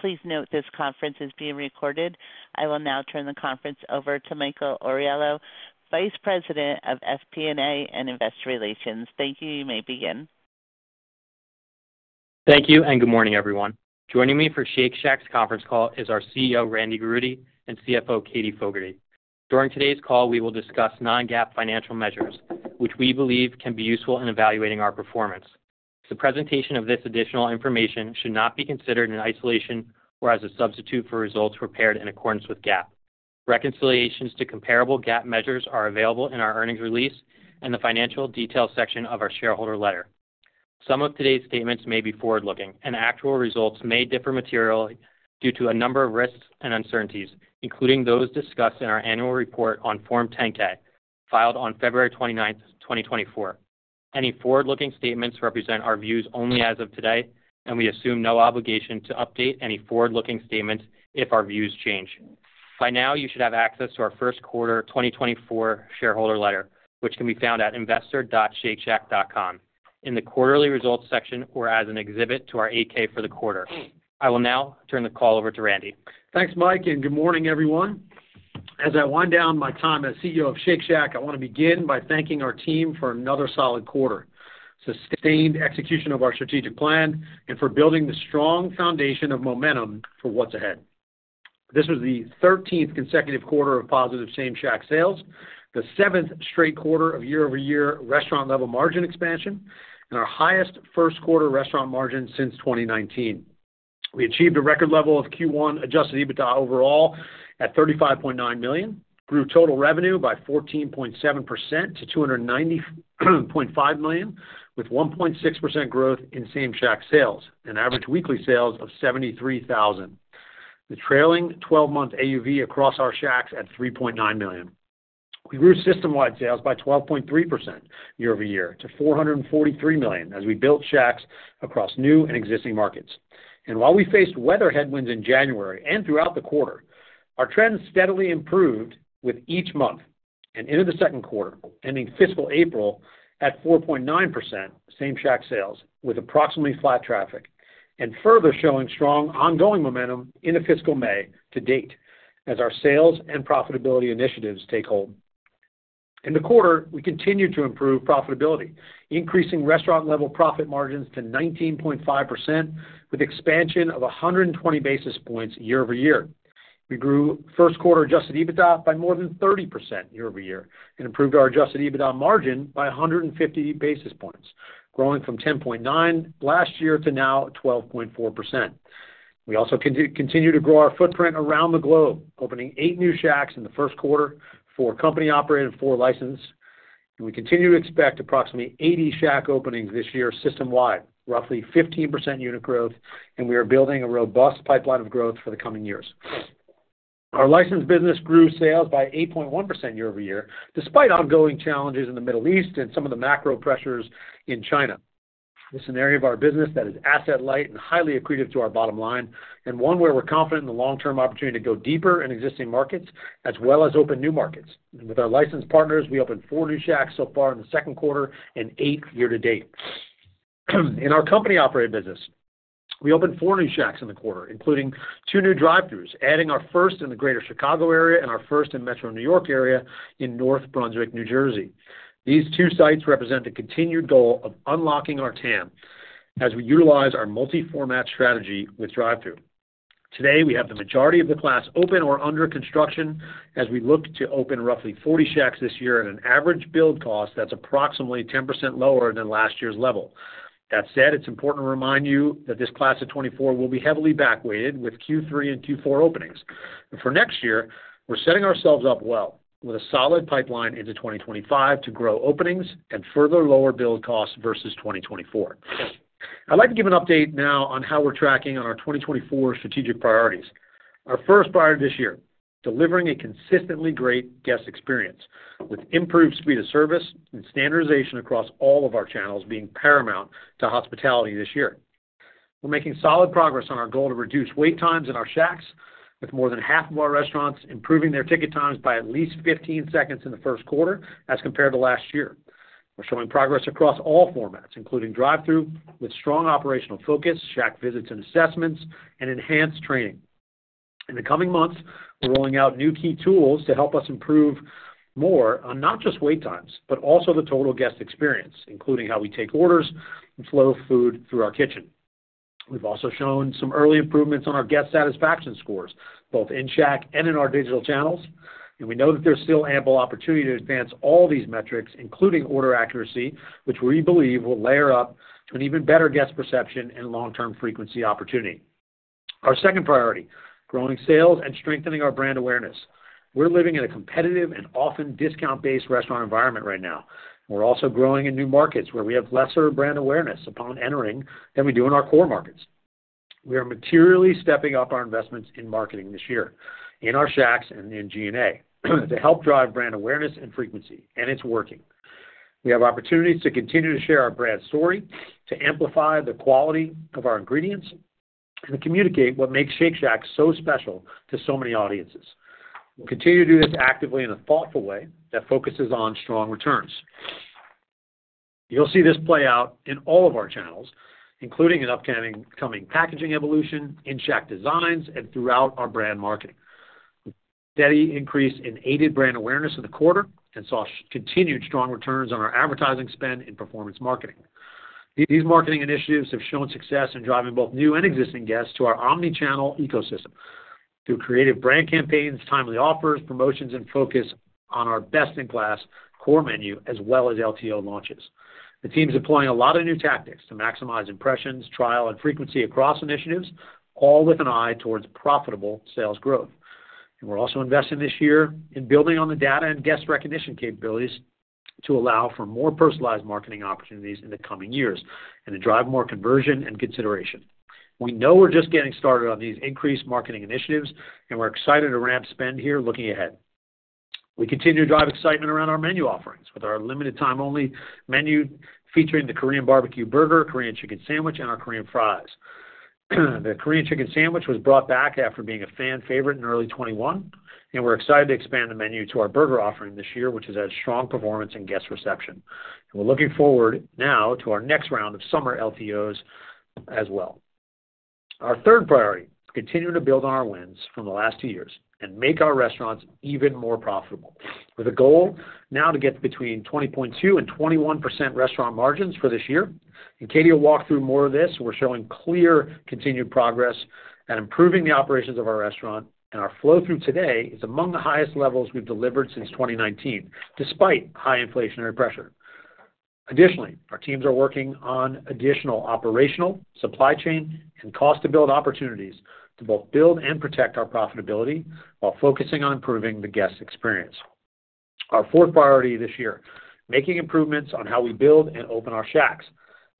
Please note this conference is being recorded. I will now turn the conference over to Michael Aurielo, Vice President of FP&A and Investor Relations. Thank you. You may begin. Thank you, and good morning, everyone. Joining me for Shake Shack's conference call is our CEO, Randy Garutti, and CFO, Katie Fogertey. During today's call, we will discuss non-GAAP financial measures, which we believe can be useful in evaluating our performance. The presentation of this additional information should not be considered in isolation or as a substitute for results prepared in accordance with GAAP. Reconciliations to comparable GAAP measures are available in our earnings release and the financial details section of our shareholder letter. Some of today's statements may be forward-looking, and actual results may differ materially due to a number of risks and uncertainties, including those discussed in our annual report on Form 10-K, filed on February 29, 2024. Any forward-looking statements represent our views only as of today, and we assume no obligation to update any forward-looking statements if our views change. By now, you should have access to our first quarter 2024 shareholder letter, which can be found at investor.shakeshack.com in the quarterly results section or as an exhibit to our 8-K for the quarter. I will now turn the call over to Randy. Thanks, Mike, and good morning, everyone. As I wind down my time as CEO of Shake Shack, I want to begin by thanking our team for another solid quarter, sustained execution of our strategic plan, and for building the strong foundation of momentum for what's ahead. This was the thirteenth consecutive quarter of positive Same-Shack sales, the seventh straight quarter of year-over-year restaurant-level margin expansion, and our highest first quarter restaurant margin since 2019. We achieved a record level of Q1 Adjusted EBITDA overall at $35.9 million, grew total revenue by 14.7% to $290.5 million, with 1.6% growth in Same-Shack sales and average weekly sales of $73,000. The trailing twelve-month AUV across our shacks at $3.9 million. We grew system-wide sales by 12.3% year-over-year to $443 million as we built Shacks across new and existing markets. While we faced weather headwinds in January and throughout the quarter, our trends steadily improved with each month and into the second quarter, ending fiscal April at 4.9% Same-Shack sales, with approximately flat traffic and further showing strong ongoing momentum into fiscal May to date as our sales and profitability initiatives take hold. In the quarter, we continued to improve profitability, increasing restaurant-level profit margins to 19.5%, with expansion of 100 basis points year-over-year. We grew first quarter Adjusted EBITDA by more than 30% year-over-year and improved our Adjusted EBITDA margin by 150 basis points, growing from 10.9 last year to now 12.4%. We also continue to grow our footprint around the globe, opening 8 new Shacks in the first quarter for company-operated, 4 licensed, and we continue to expect approximately 80 Shack openings this year system-wide, roughly 15% unit growth, and we are building a robust pipeline of growth for the coming years. Our licensed business grew sales by 8.1% year-over-year, despite ongoing challenges in the Middle East and some of the macro pressures in China. This is an area of our business that is asset light and highly accretive to our bottom line, and one where we're confident in the long-term opportunity to go deeper in existing markets, as well as open new markets. With our licensed partners, we opened 4 new Shacks so far in the second quarter and 8 year to date. In our company-operated business, we opened 4 new Shacks in the quarter, including 2 new drive-throughs, adding our first in the greater Chicago area and our first in metro New York area in North Brunswick, New Jersey. These two sites represent a continued goal of unlocking our TAM as we utilize our multi-format strategy with drive-through. Today, we have the majority of the class open or under construction as we look to open roughly 40 Shacks this year at an average build cost that's approximately 10% lower than last year's level. That said, it's important to remind you that this class of 2024 will be heavily back weighted with Q3 and Q4 openings. For next year, we're setting ourselves up well with a solid pipeline into 2025 to grow openings and further lower build costs versus 2024. I'd like to give an update now on how we're tracking on our 2024 strategic priorities. Our first priority this year, delivering a consistently great guest experience, with improved speed of service and standardization across all of our channels being paramount to hospitality this year. We're making solid progress on our goal to reduce wait times in our Shacks, with more than half of our restaurants improving their ticket times by at least 15 seconds in the first quarter as compared to last year. We're showing progress across all formats, including drive-through, with strong operational focus, Shack visits and assessments, and enhanced training. In the coming months, we're rolling out new key tools to help us improve more on not just wait times, but also the total guest experience, including how we take orders and flow food through our kitchen. We've also shown some early improvements on our guest satisfaction scores, both in Shack and in our digital channels, and we know that there's still ample opportunity to advance all these metrics, including order accuracy, which we believe will layer up to an even better guest perception and long-term frequency opportunity. Our second priority, growing sales and strengthening our brand awareness. We're living in a competitive and often discount-based restaurant environment right now. We're also growing in new markets where we have lesser brand awareness upon entering than we do in our core markets. We are materially stepping up our investments in marketing this year, in our Shacks and in G&A, to help drive brand awareness and frequency, and it's working. We have opportunities to continue to share our brand story, to amplify the quality of our ingredients, and to communicate what makes Shake Shack so special to so many audiences. We'll continue to do this actively in a thoughtful way that focuses on strong returns…. You'll see this play out in all of our channels, including an upcoming, coming packaging evolution, in-Shack designs, and throughout our brand marketing. Steady increase in aided brand awareness in the quarter, and saw continued strong returns on our advertising spend in performance marketing. These marketing initiatives have shown success in driving both new and existing guests to our omni-channel ecosystem through creative brand campaigns, timely offers, promotions, and focus on our best-in-class core menu, as well as LTO launches. The team's deploying a lot of new tactics to maximize impressions, trial, and frequency across initiatives, all with an eye towards profitable sales growth. And we're also investing this year in building on the data and guest recognition capabilities to allow for more personalized marketing opportunities in the coming years, and to drive more conversion and consideration. We know we're just getting started on these increased marketing initiatives, and we're excited to ramp spend here looking ahead. We continue to drive excitement around our menu offerings with our limited time only menu, featuring the Korean Barbecue Burger, Korean Chicken Sandwich, and our Korean Fries. The Korean Chicken Sandwich was brought back after being a fan favorite in early 2021, and we're excited to expand the menu to our burger offering this year, which has had strong performance and guest reception. We're looking forward now to our next round of summer LTOs as well. Our third priority, continuing to build on our wins from the last two years and make our restaurants even more profitable, with a goal now to get between 20.2% and 21% restaurant margins for this year. Katie will walk through more of this. We're showing clear continued progress at improving the operations of our restaurant, and our flow-through today is among the highest levels we've delivered since 2019, despite high inflationary pressure. Additionally, our teams are working on additional operational, supply chain, and cost to build opportunities to both build and protect our profitability while focusing on improving the guest experience. Our fourth priority this year, making improvements on how we build and open our Shacks.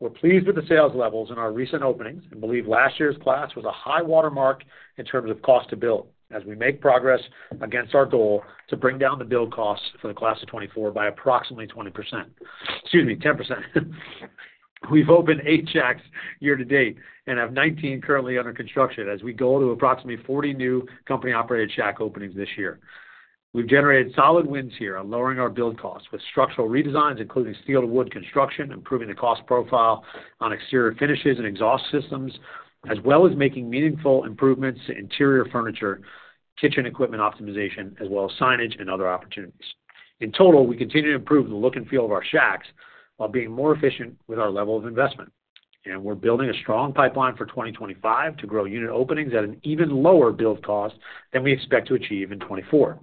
We're pleased with the sales levels in our recent openings and believe last year's class was a high watermark in terms of cost to build, as we make progress against our goal to bring down the build costs for the class of 2024 by approximately 20%. Excuse me, 10%. We've opened eight Shacks year to date and have 19 currently under construction as we go to approximately 40 new company-operated Shack openings this year. We've generated solid wins here on lowering our build costs with structural redesigns, including steel to wood construction, improving the cost profile on exterior finishes and exhaust systems, as well as making meaningful improvements to interior furniture, kitchen equipment optimization, as well as signage and other opportunities. In total, we continue to improve the look and feel of our Shacks while being more efficient with our level of investment. And we're building a strong pipeline for 2025 to grow unit openings at an even lower build cost than we expect to achieve in 2024.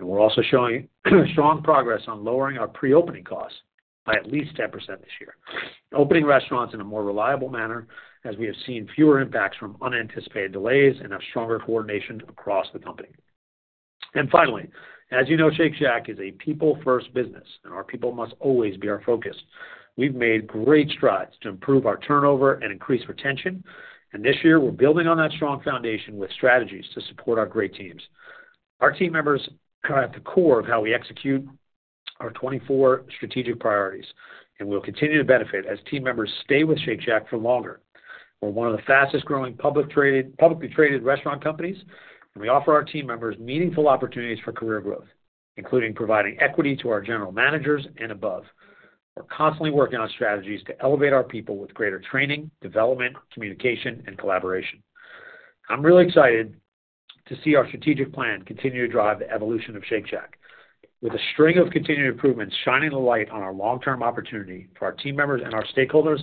And we're also showing strong progress on lowering our pre-opening costs by at least 10% this year. Opening restaurants in a more reliable manner as we have seen fewer impacts from unanticipated delays and have stronger coordination across the company. Finally, as you know, Shake Shack is a people-first business, and our people must always be our focus. We've made great strides to improve our turnover and increase retention, and this year, we're building on that strong foundation with strategies to support our great teams. Our team members are at the core of how we execute our 2024 strategic priorities, and we'll continue to benefit as team members stay with Shake Shack for longer. We're one of the fastest growing publicly traded restaurant companies, and we offer our team members meaningful opportunities for career growth, including providing equity to our general managers and above. We're constantly working on strategies to elevate our people with greater training, development, communication, and collaboration. I'm really excited to see our strategic plan continue to drive the evolution of Shake Shack. With a string of continued improvements shining a light on our long-term opportunity for our team members and our stakeholders,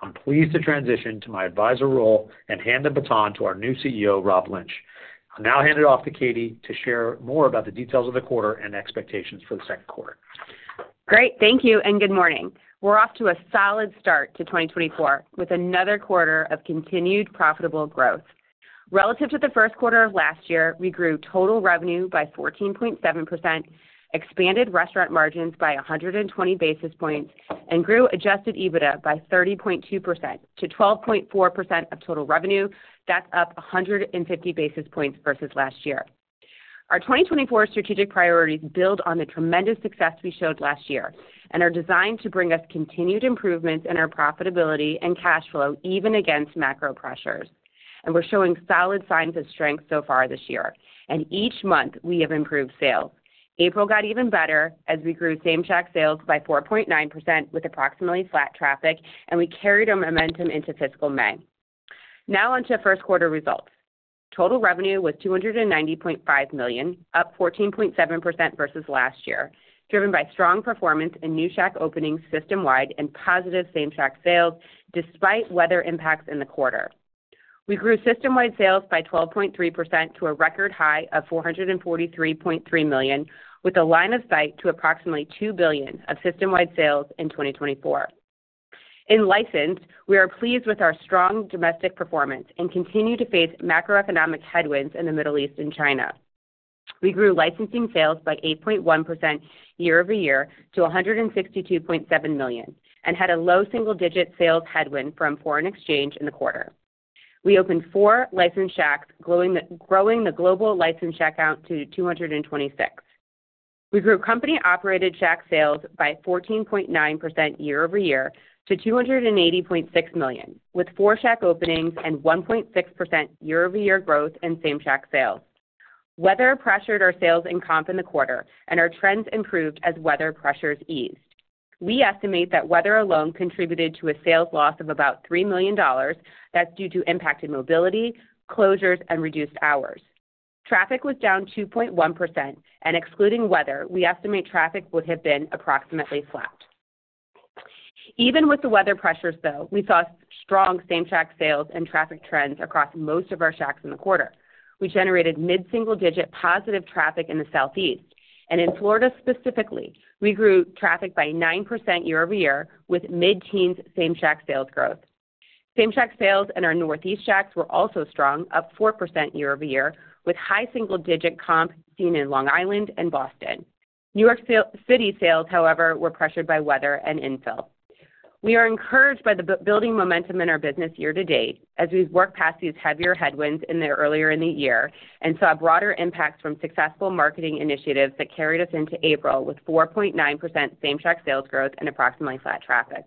I'm pleased to transition to my advisor role and hand the baton to our new CEO, Rob Lynch. I'll now hand it off to Katie to share more about the details of the quarter and expectations for the second quarter. Great. Thank you, and good morning. We're off to a solid start to 2024, with another quarter of continued profitable growth. Relative to the first quarter of last year, we grew total revenue by 14.7%, expanded restaurant margins by 120 basis points, and grew Adjusted EBITDA by 30.2% to 12.4% of total revenue. That's up 150 basis points versus last year. Our 2024 strategic priorities build on the tremendous success we showed last year and are designed to bring us continued improvements in our profitability and cash flow, even against macro pressures. We're showing solid signs of strength so far this year, and each month, we have improved sales. April got even better as we grew Same-Shack Sales by 4.9% with approximately flat traffic, and we carried our momentum into fiscal May. Now on to first quarter results. Total revenue was $290.5 million, up 14.7% versus last year, driven by strong performance in new Shack openings system-wide and positive Same-Shack Sales, despite weather impacts in the quarter. We grew system-wide sales by 12.3% to a record high of $443.3 million, with a line of sight to approximately $2 billion of system-wide sales in 2024. In licensed, we are pleased with our strong domestic performance and continue to face macroeconomic headwinds in the Middle East and China. We grew licensing sales by 8.1% year-over-year to $162.7 million, and had a low single-digit sales headwind from foreign exchange in the quarter. We opened 4 licensed Shacks, growing the global licensed Shack count to 226. We grew company-operated Shack sales by 14.9% year-over-year to $280.6 million, with 4 Shack openings and 1.6% year-over-year growth in same-Shack sales. Weather pressured our sales and comp in the quarter, and our trends improved as weather pressures eased. We estimate that weather alone contributed to a sales loss of about $3 million that's due to impacted mobility, closures, and reduced hours. Traffic was down 2.1%, and excluding weather, we estimate traffic would have been approximately flat. Even with the weather pressures, though, we saw strong Same-Shack Sales and traffic trends across most of our Shacks in the quarter. We generated mid-single-digit positive traffic in the Southeast, and in Florida specifically, we grew traffic by 9% year-over-year, with mid-teens Same-Shack Sales growth. Same-Shack Sales in our Northeast Shacks were also strong, up 4% year-over-year, with high single-digit comp seen in Long Island and Boston. New York City sales, however, were pressured by weather and infill. We are encouraged by the building momentum in our business year to date, as we've worked past these heavier headwinds in the earlier in the year and saw broader impacts from successful marketing initiatives that carried us into April with 4.9% Same-Shack Sales growth and approximately flat traffic.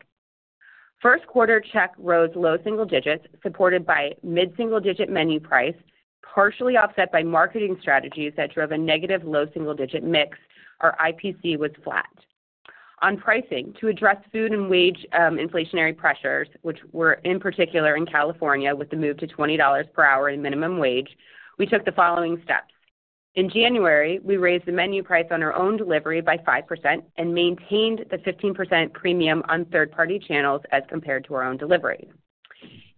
First quarter Shack rose low single digits, supported by mid-single-digit menu price, partially offset by marketing strategies that drove a negative low single-digit mix. Our IPC was flat. On pricing, to address food and wage inflationary pressures, which were in particular in California, with the move to $20 per hour in minimum wage, we took the following steps. In January, we raised the menu price on our own delivery by 5% and maintained the 15% premium on third-party channels as compared to our own delivery.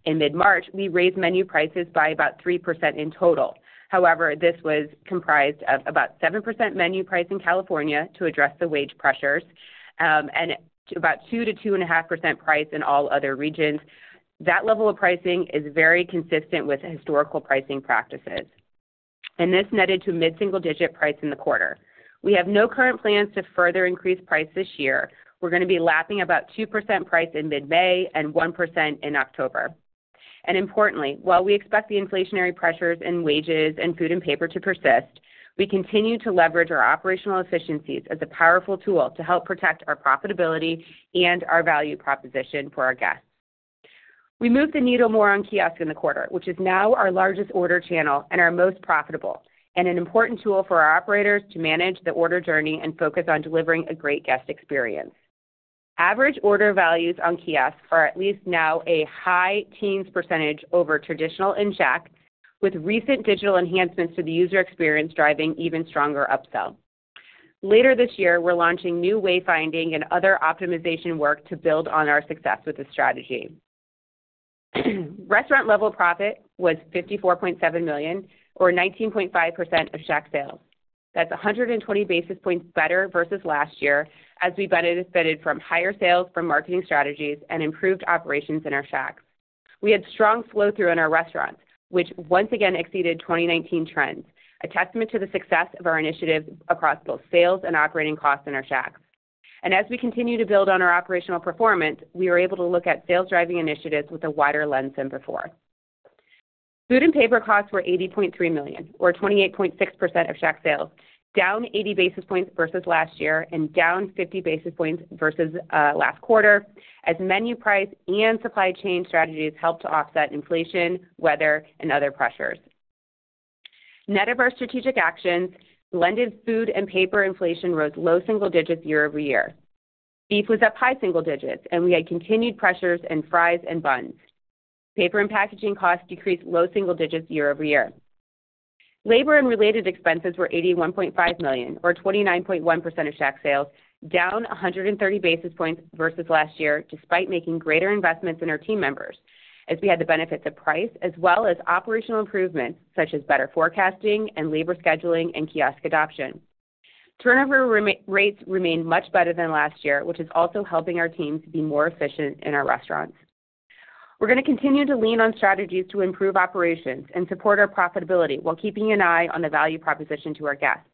In mid-March, we raised menu prices by about 3% in total. However, this was comprised of about 7% menu price in California to address the wage pressures, and about 2%-2.5% price in all other regions. That level of pricing is very consistent with historical pricing practices, and this netted to mid-single-digit price in the quarter. We have no current plans to further increase price this year. We're gonna be lapping about 2% price in mid-May and 1% in October. Importantly, while we expect the inflationary pressures in wages and food and paper to persist, we continue to leverage our operational efficiencies as a powerful tool to help protect our profitability and our value proposition for our guests. We moved the needle more on kiosk in the quarter, which is now our largest order channel and our most profitable, and an important tool for our operators to manage the order journey and focus on delivering a great guest experience. Average order values on kiosk are at least now a high teens% over traditional in Shack, with recent digital enhancements to the user experience driving even stronger upsell. Later this year, we're launching new wayfinding and other optimization work to build on our success with this strategy. Restaurant level profit was $54.7 million, or 19.5% of Shack sales. That's 120 basis points better versus last year, as we benefited from higher sales from marketing strategies and improved operations in our Shacks. We had strong flow-through in our restaurants, which once again exceeded 2019 trends, a testament to the success of our initiatives across both sales and operating costs in our Shacks. And as we continue to build on our operational performance, we are able to look at sales-driving initiatives with a wider lens than before. Food and paper costs were $80.3 million, or 28.6% of Shack sales, down 80 basis points versus last year and down 50 basis points versus last quarter, as menu price and supply chain strategies helped to offset inflation, weather, and other pressures. Net of our strategic actions, blended food and paper inflation rose low single digits year-over-year. Beef was up high single digits, and we had continued pressures in fries and buns. Paper and packaging costs decreased low single digits year-over-year. Labor and related expenses were $81.5 million, or 29.1% of Shack sales, down 130 basis points versus last year, despite making greater investments in our team members, as we had the benefits of price as well as operational improvements, such as better forecasting and labor scheduling and kiosk adoption. Turnover rates remained much better than last year, which is also helping our teams be more efficient in our restaurants. We're gonna continue to lean on strategies to improve operations and support our profitability while keeping an eye on the value proposition to our guests.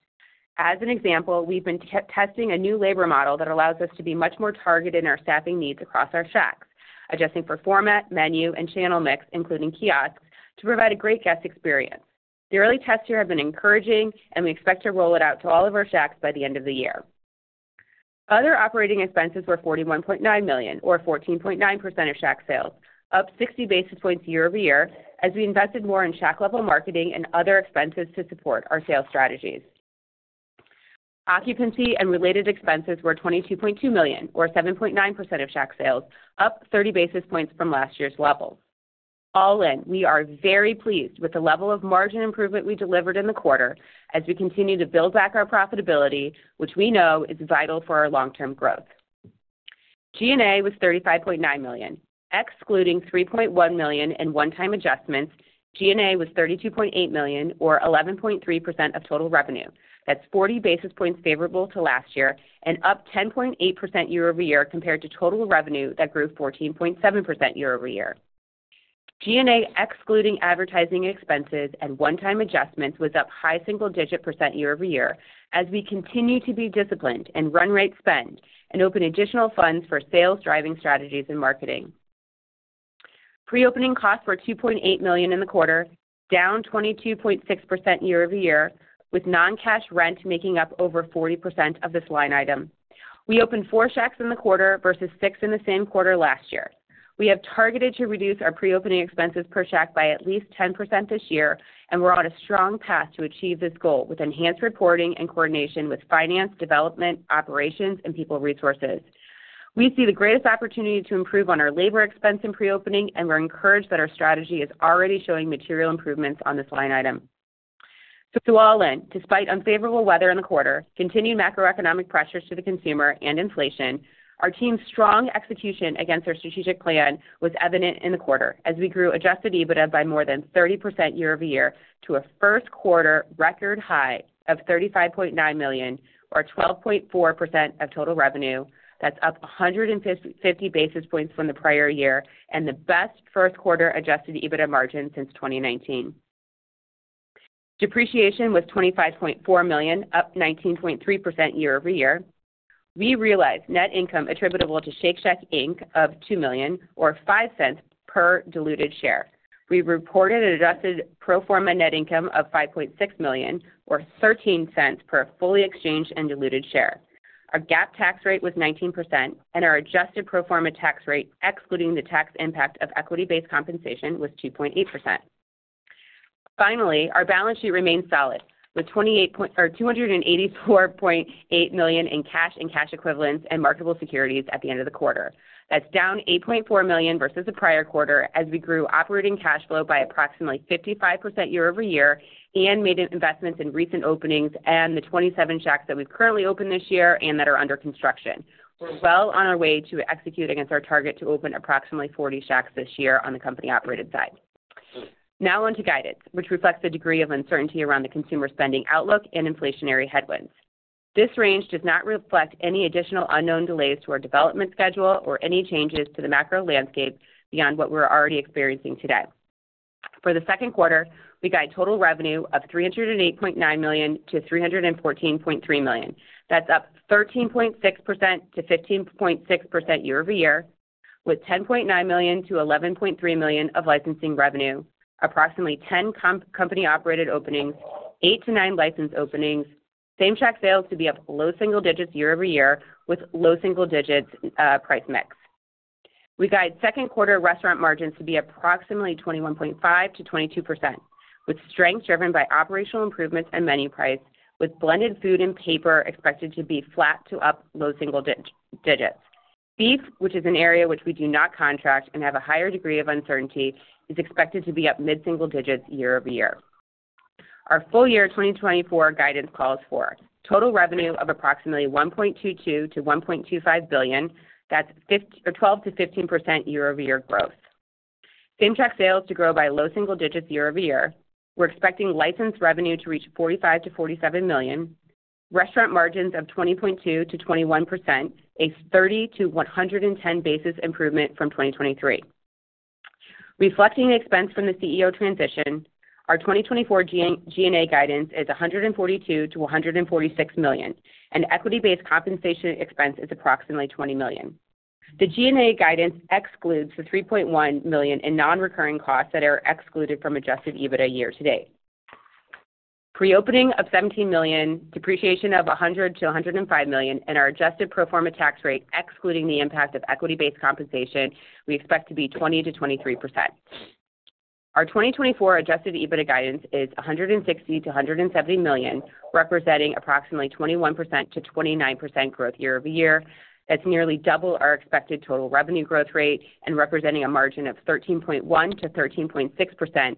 As an example, we've been testing a new labor model that allows us to be much more targeted in our staffing needs across our Shacks, adjusting for format, menu, and channel mix, including kiosks, to provide a great guest experience. The early tests here have been encouraging, and we expect to roll it out to all of our Shacks by the end of the year. Other operating expenses were $41.9 million, or 14.9% of Shack sales, up 60 basis points year-over-year, as we invested more in Shack-level marketing and other expenses to support our sales strategies. Occupancy and related expenses were $22.2 million, or 7.9% of Shack sales, up 30 basis points from last year's levels. All in, we are very pleased with the level of margin improvement we delivered in the quarter as we continue to build back our profitability, which we know is vital for our long-term growth. G&A was $35.9 million. Excluding $3.1 million in one-time adjustments, G&A was $32.8 million, or 11.3% of total revenue. That's 40 basis points favorable to last year and up 10.8% year-over-year compared to total revenue that grew 14.7% year-over-year. G&A, excluding advertising expenses and one-time adjustments, was up high single-digit % year-over-year as we continue to be disciplined and run rate spend and open additional funds for sales-driving strategies and marketing. Pre-opening costs were $2.8 million in the quarter, down 22.6% year-over-year, with non-cash rent making up over 40% of this line item. We opened four Shacks in the quarter versus six in the same quarter last year. We have targeted to reduce our pre-opening expenses per Shack by at least 10% this year, and we're on a strong path to achieve this goal, with enhanced reporting and coordination with finance, development, operations, and people resources. We see the greatest opportunity to improve on our labor expense in pre-opening, and we're encouraged that our strategy is already showing material improvements on this line item. So all in, despite unfavorable weather in the quarter, continued macroeconomic pressures to the consumer and inflation, our team's strong execution against our strategic plan was evident in the quarter, as we grew Adjusted EBITDA by more than 30% year-over-year to a first quarter record high of $35.9 million or 12.4% of total revenue. That's up 150 basis points from the prior year and the best first quarter Adjusted EBITDA margin since 2019. Depreciation was $25.4 million, up 19.3% year-over-year. We realized net income attributable to Shake Shack Inc. of $2 million, or $0.05 per diluted share. We reported an Adjusted Pro Forma Net Income of $5.6 million, or $0.13 per fully exchanged and diluted share. Our GAAP tax rate was 19%, and our Adjusted Pro Forma Tax Rate, excluding the tax impact of equity-based compensation, was 2.8%. Finally, our balance sheet remains solid, with $284.8 million in cash and cash equivalents and marketable securities at the end of the quarter. That's down $8.4 million versus the prior quarter, as we grew operating cash flow by approximately 55% year-over-year and made investments in recent openings and the 27 Shacks that we've currently opened this year and that are under construction. We're well on our way to execute against our target to open approximately 40 Shacks this year on the company-operated side. Now on to guidance, which reflects the degree of uncertainty around the consumer spending outlook and inflationary headwinds. This range does not reflect any additional unknown delays to our development schedule or any changes to the macro landscape beyond what we're already experiencing today. For the second quarter, we guide total revenue of $308.9 million-$314.3 million. That's up 13.6%-15.6% year-over-year, with $10.9 million-$11.3 million of licensing revenue, approximately 10 company-operated openings, 8-9 licensed openings. Same-Shack sales to be up low single digits year-over-year, with low single digits price mix. We guide second quarter restaurant margins to be approximately 21.5%-22%, with strength driven by operational improvements and menu price, with blended food and paper expected to be flat to up low single digits. Beef, which is an area which we do not contract and have a higher degree of uncertainty, is expected to be up mid-single digits year-over-year. Our full year 2024 guidance calls for total revenue of approximately $1.22 billion-$1.25 billion. That's or 12%-15% year-over-year growth. Same-Shack sales to grow by low single digits year-over-year. We're expecting licensed revenue to reach $45 million-$47 million, restaurant margins of 20.2%-21%, a 30 to 110 basis improvement from 2023. Reflecting the expense from the CEO transition, our 2024 G&A guidance is $142 million-$146 million, and equity-based compensation expense is approximately $20 million. The G&A guidance excludes the $3.1 million in non-recurring costs that are excluded from adjusted EBITDA year to date. Pre-opening of $17 million, depreciation of $100 million-$105 million, and our Adjusted Pro Forma Tax Rate, excluding the impact of equity-based compensation, we expect to be 20%-23%. Our 2024 adjusted EBITDA guidance is $160 million-$170 million, representing approximately 21%-29% growth year-over-year. That's nearly double our expected total revenue growth rate and representing a margin of 13.1%-13.6%,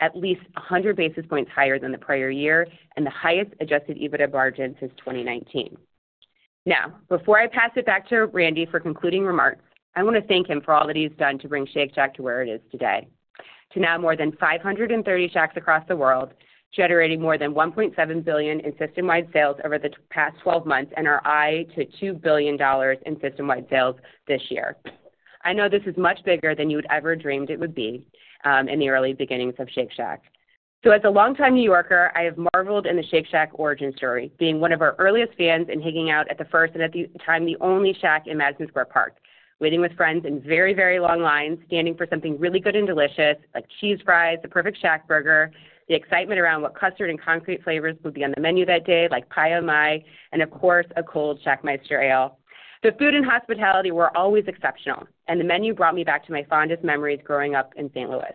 at least 100 basis points higher than the prior year, and the highest adjusted EBITDA margin since 2019. Now, before I pass it back to Randy for concluding remarks, I want to thank him for all that he's done to bring Shake Shack to where it is today. To now more than 530 Shacks across the world, generating more than $1.7 billion in system-wide sales over the past 12 months, and eyeing $2 billion in system-wide sales this year. I know this is much bigger than you'd ever dreamed it would be, in the early beginnings of Shake Shack. So as a longtime New Yorker, I have marveled in the Shake Shack origin story, being one of our earliest fans and hanging out at the first, and at the time, the only Shack in Madison Square Park, waiting with friends in very, very long lines, standing for something really good and delicious, like cheese fries, the perfect ShackBurger, the excitement around what custard and concrete flavors would be on the menu that day, like Pie Oh My, and of course, a cold ShackMeister Ale. The food and hospitality were always exceptional, and the menu brought me back to my fondest memories growing up in St. Louis.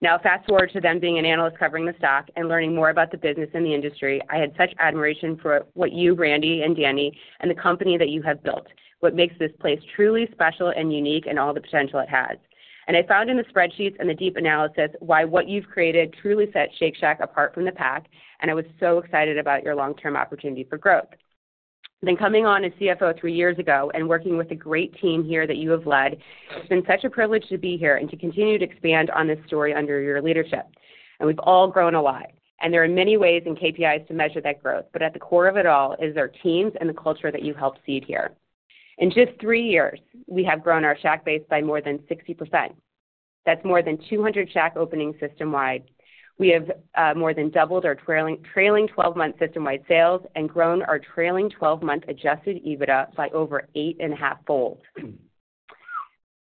Now fast-forward to then being an analyst covering the stock and learning more about the business and the industry. I had such admiration for what you, Randy and Danny, and the company that you have built, what makes this place truly special and unique and all the potential it has. I found in the spreadsheets and the deep analysis why what you've created truly sets Shake Shack apart from the pack, and I was so excited about your long-term opportunity for growth. Then coming on as CFO three years ago and working with the great team here that you have led, it's been such a privilege to be here and to continue to expand on this story under your leadership. We've all grown a lot, and there are many ways and KPIs to measure that growth, but at the core of it all is our teams and the culture that you helped seed here. In just three years, we have grown our Shack base by more than 60%. That's more than 200 Shack openings system-wide. We have more than doubled our trailing twelve-month system-wide sales and grown our trailing twelve-month Adjusted EBITDA by over 8.5-fold.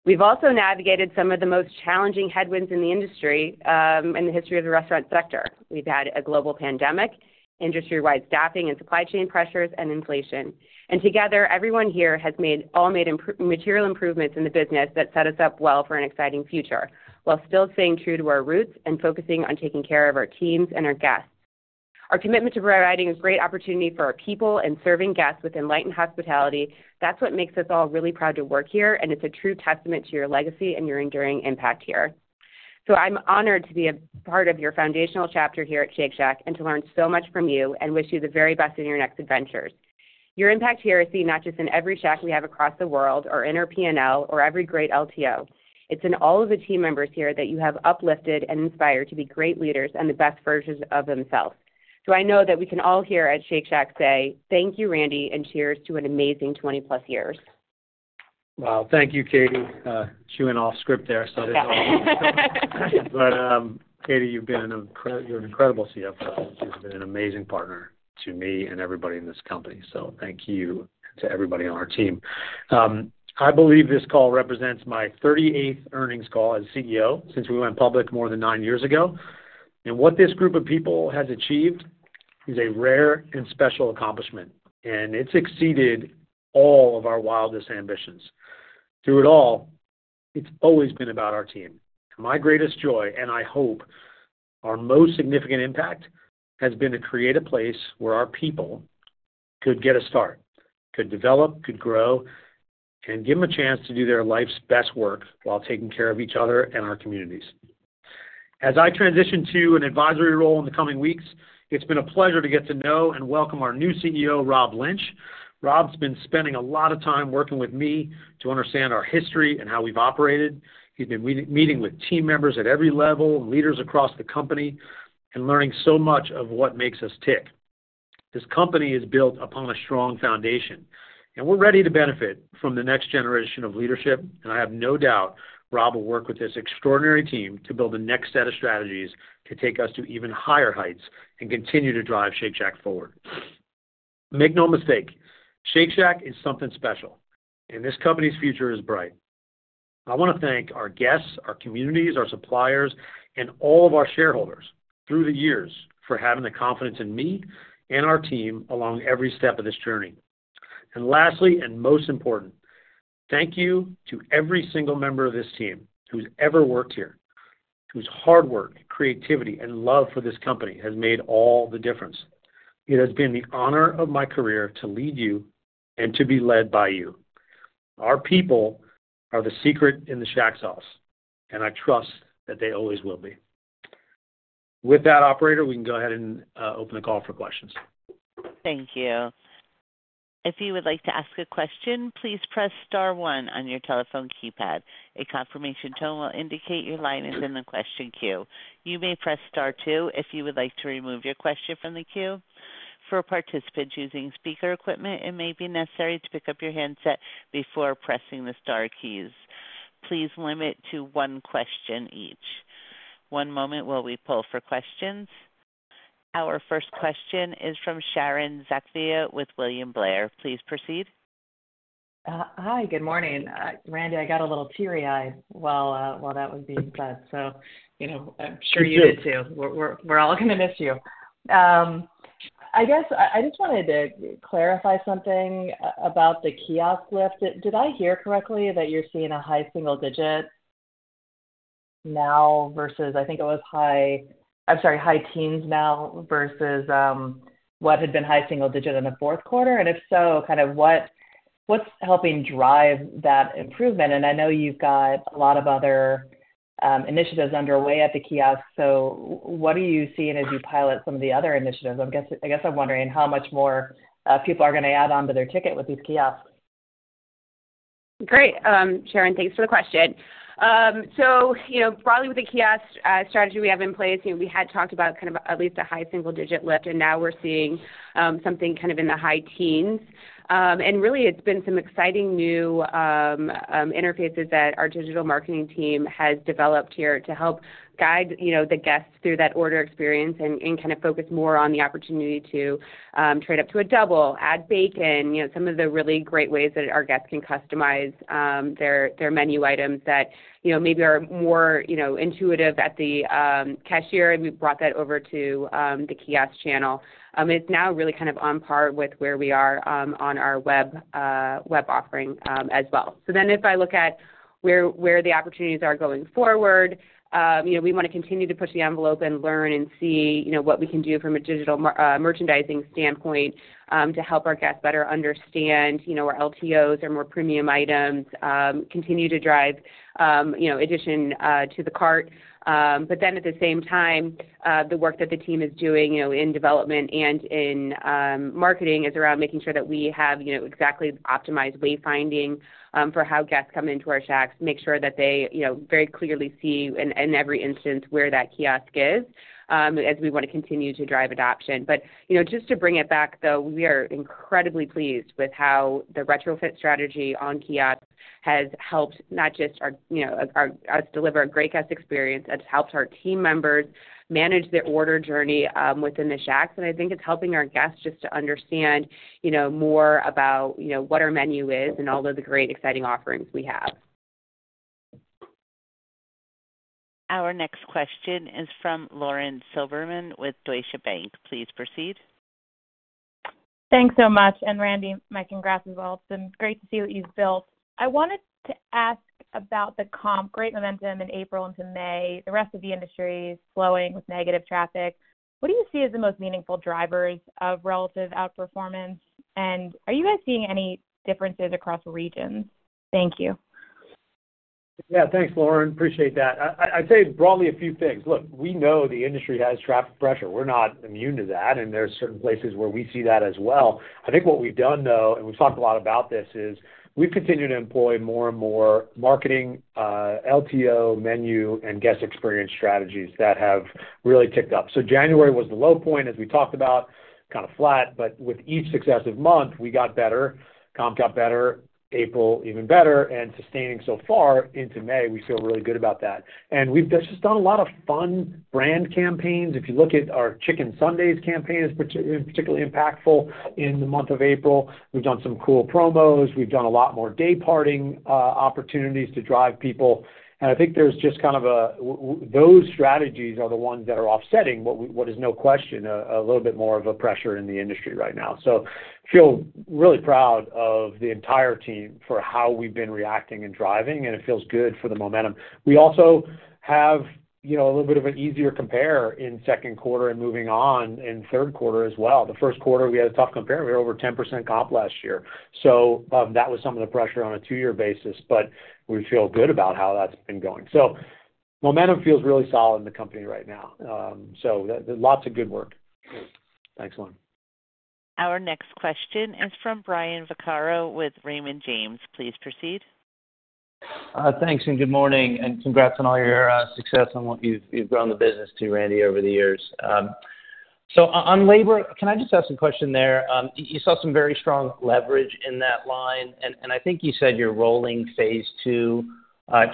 We've also navigated some of the most challenging headwinds in the industry in the history of the restaurant sector. We've had a global pandemic, industry-wide staffing and supply chain pressures, and inflation. And together, everyone here has made all material improvements in the business that set us up well for an exciting future, while still staying true to our roots and focusing on taking care of our teams and our guests. Our commitment to providing a great opportunity for our people and serving guests with enlightened hospitality, that's what makes us all really proud to work here, and it's a true testament to your legacy and your enduring impact here. So I'm honored to be a part of your foundational chapter here at Shake Shack, and to learn so much from you, and wish you the very best in your next adventures. Your impact here is seen not just in every Shack we have across the world, or in our P&L, or every great LTO. It's in all of the team members here that you have uplifted and inspired to be great leaders and the best versions of themselves. So I know that we can all here at Shake Shack say, thank you, Randy, and cheers to an amazing 20+ years. Well, thank you, Katie. Going off script there, so that's all good. But, Katie, you've been an incredible CFO. You've been an amazing partner to me and everybody in this company, so thank you to everybody on our team. I believe this call represents my 38th earnings call as CEO since we went public more than 9 years ago. What this group of people has achieved is a rare and special accomplishment, and it's exceeded all of our wildest ambitions. Through it all, it's always been about our team. My greatest joy, and I hope our most significant impact, has been to create a place where our people could get a start, could develop, could grow, and give them a chance to do their life's best work while taking care of each other and our communities. As I transition to an advisory role in the coming weeks, it's been a pleasure to get to know and welcome our new CEO, Rob Lynch. Rob's been spending a lot of time working with me to understand our history and how we've operated. He's been meeting with team members at every level, leaders across the company, and learning so much of what makes us tick. This company is built upon a strong foundation, and we're ready to benefit from the next generation of leadership, and I have no doubt Rob will work with this extraordinary team to build the next set of strategies to take us to even higher heights and continue to drive Shake Shack forward. Make no mistake, Shake Shack is something special, and this company's future is bright. I want to thank our guests, our communities, our suppliers, and all of our shareholders through the years for having the confidence in me and our team along every step of this journey. And lastly, and most important, thank you to every single member of this team who's ever worked here, whose hard work, creativity, and love for this company has made all the difference. It has been the honor of my career to lead you and to be led by you. Our people are the secret in the Shack sauce, and I trust that they always will be. With that, operator, we can go ahead and open the call for questions. Thank you. If you would like to ask a question, please press star one on your telephone keypad. A confirmation tone will indicate your line is in the question queue. You may press star two if you would like to remove your question from the queue. For participants using speaker equipment, it may be necessary to pick up your handset before pressing the star keys. Please limit to one question each. One moment while we pull for questions. Our first question is from Sharon Zackfia with William Blair. Please proceed. Hi, good morning. Randy, I got a little teary-eyed while that was being read, so, you know, I'm sure you did, too. We're all gonna miss you. I guess I just wanted to clarify something about the kiosk lift. Did I hear correctly that you're seeing a high single digit now versus I think it was high teens now versus what had been high single digit in the fourth quarter? And if so, kind of what's helping drive that improvement? And I know you've got a lot of other initiatives underway at the kiosk, so what are you seeing as you pilot some of the other initiatives? I guess I'm wondering how much more people are gonna add on to their ticket with these kiosks. Great, Sharon, thanks for the question. So you know, probably with the kiosk strategy we have in place, you know, we had talked about kind of at least a high single-digit lift, and now we're seeing something kind of in the high teens. And really, it's been some exciting new interfaces that our digital marketing team has developed here to help guide, you know, the guests through that order experience and kind of focus more on the opportunity to trade up to a double, add bacon, you know, some of the really great ways that our guests can customize their menu items that, you know, maybe are more intuitive at the cashier, and we've brought that over to the kiosk channel. It's now really kind of on par with where we are on our web offering as well. So then if I look at where the opportunities are going forward, you know, we want to continue to push the envelope and learn and see, you know, what we can do from a digital merchandising standpoint to help our guests better understand, you know, our LTOs, our more premium items, continue to drive, you know, addition to the cart. But then at the same time, the work that the team is doing, you know, in development and in, marketing is around making sure that we have, you know, exactly optimized wayfinding, for how guests come into our Shacks, make sure that they, you know, very clearly see in, in every instance where that kiosk is, as we want to continue to drive adoption. But, you know, just to bring it back, though, we are incredibly pleased with how the retrofit strategy on kiosks has helped not just our, you know, our, us deliver a great guest experience, it's helped our team members manage their order journey, within the Shacks. I think it's helping our guests just to understand, you know, more about, you know, what our menu is and all of the great exciting offerings we have. Our next question is from Lauren Silberman with Deutsche Bank. Please proceed. Thanks so much, and Randy, my congrats as well. It's been great to see what you've built. I wanted to ask about the comp. Great momentum in April into May. The rest of the industry is flowing with negative traffic. What do you see as the most meaningful drivers of relative outperformance, and are you guys seeing any differences across regions? Thank you. Yeah, thanks, Lauren. Appreciate that. I'd say broadly a few things. Look, we know the industry has traffic pressure. We're not immune to that, and there are certain places where we see that as well. I think what we've done, though, and we've talked a lot about this, is we've continued to employ more and more marketing, LTO, menu, and guest experience strategies that have really ticked up. So January was the low point, as we talked about, kind of flat, but with each successive month, we got better, comp got better, April even better, and sustaining so far into May, we feel really good about that. And we've just done a lot of fun brand campaigns. If you look at our Chicken Sundays campaign, is particularly impactful in the month of April. We've done some cool promos. We've done a lot more day parting opportunities to drive people. And I think there's just kind of what we, those strategies are the ones that are offsetting what we, what is no question, a little bit more of a pressure in the industry right now. So feel really proud of the entire team for how we've been reacting and driving, and it feels good for the momentum. We also have, you know, a little bit of an easier compare in second quarter and moving on in third quarter as well. The first quarter, we had a tough compare. We were over 10% comp last year, so that was some of the pressure on a two-year basis, but we feel good about how that's been going. So momentum feels really solid in the company right now. So there's lots of good work. Thanks, Lauren. Our next question is from Brian Vaccaro with Raymond James. Please proceed. Thanks, and good morning, and congrats on all your success on what you've grown the business to, Randy, over the years. So on labor, can I just ask a question there? You saw some very strong leverage in that line, and I think you said you're rolling phase two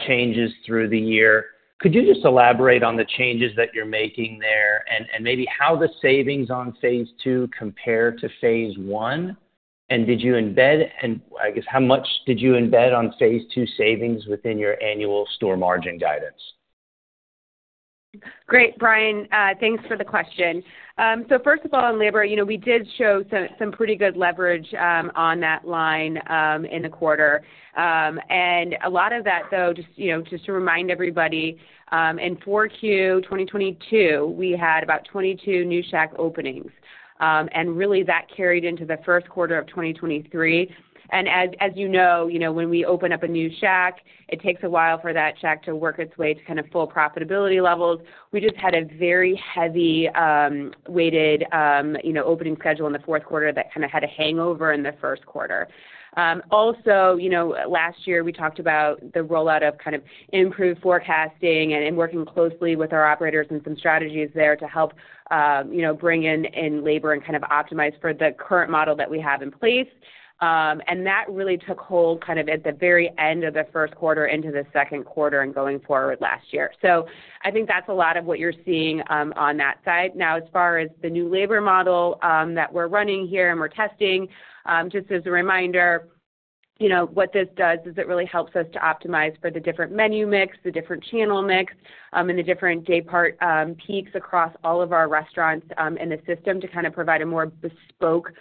changes through the year. Could you just elaborate on the changes that you're making there and maybe how the savings on phase two compare to phase one? And did you embed, and I guess, how much did you embed on phase two savings within your annual store margin guidance? Great, Brian, thanks for the question. So first of all, on labor, you know, we did show some, some pretty good leverage on that line in the quarter. And a lot of that, though, just, you know, just to remind everybody, in Q4 2022, we had about 22 new Shack openings, and really that carried into the first quarter of 2023. And as, as you know, you know, when we open up a new Shack, it takes a while for that Shack to work its way to kind of full profitability levels. We just had a very heavy weighted, you know, opening schedule in the fourth quarter that kinda had a hangover in the first quarter. Also, you know, last year, we talked about the rollout of kind of improved forecasting and in working closely with our operators and some strategies there to help, you know, bring in labor and kind of optimize for the current model that we have in place. And that really took hold kind of at the very end of the first quarter into the second quarter and going forward last year. So I think that's a lot of what you're seeing, on that side. Now, as far as the new labor model that we're running here and we're testing, just as a reminder, you know, what this does is it really helps us to optimize for the different menu mix, the different channel mix, and the different day part peaks across all of our restaurants in the system to kind of provide a more bespoke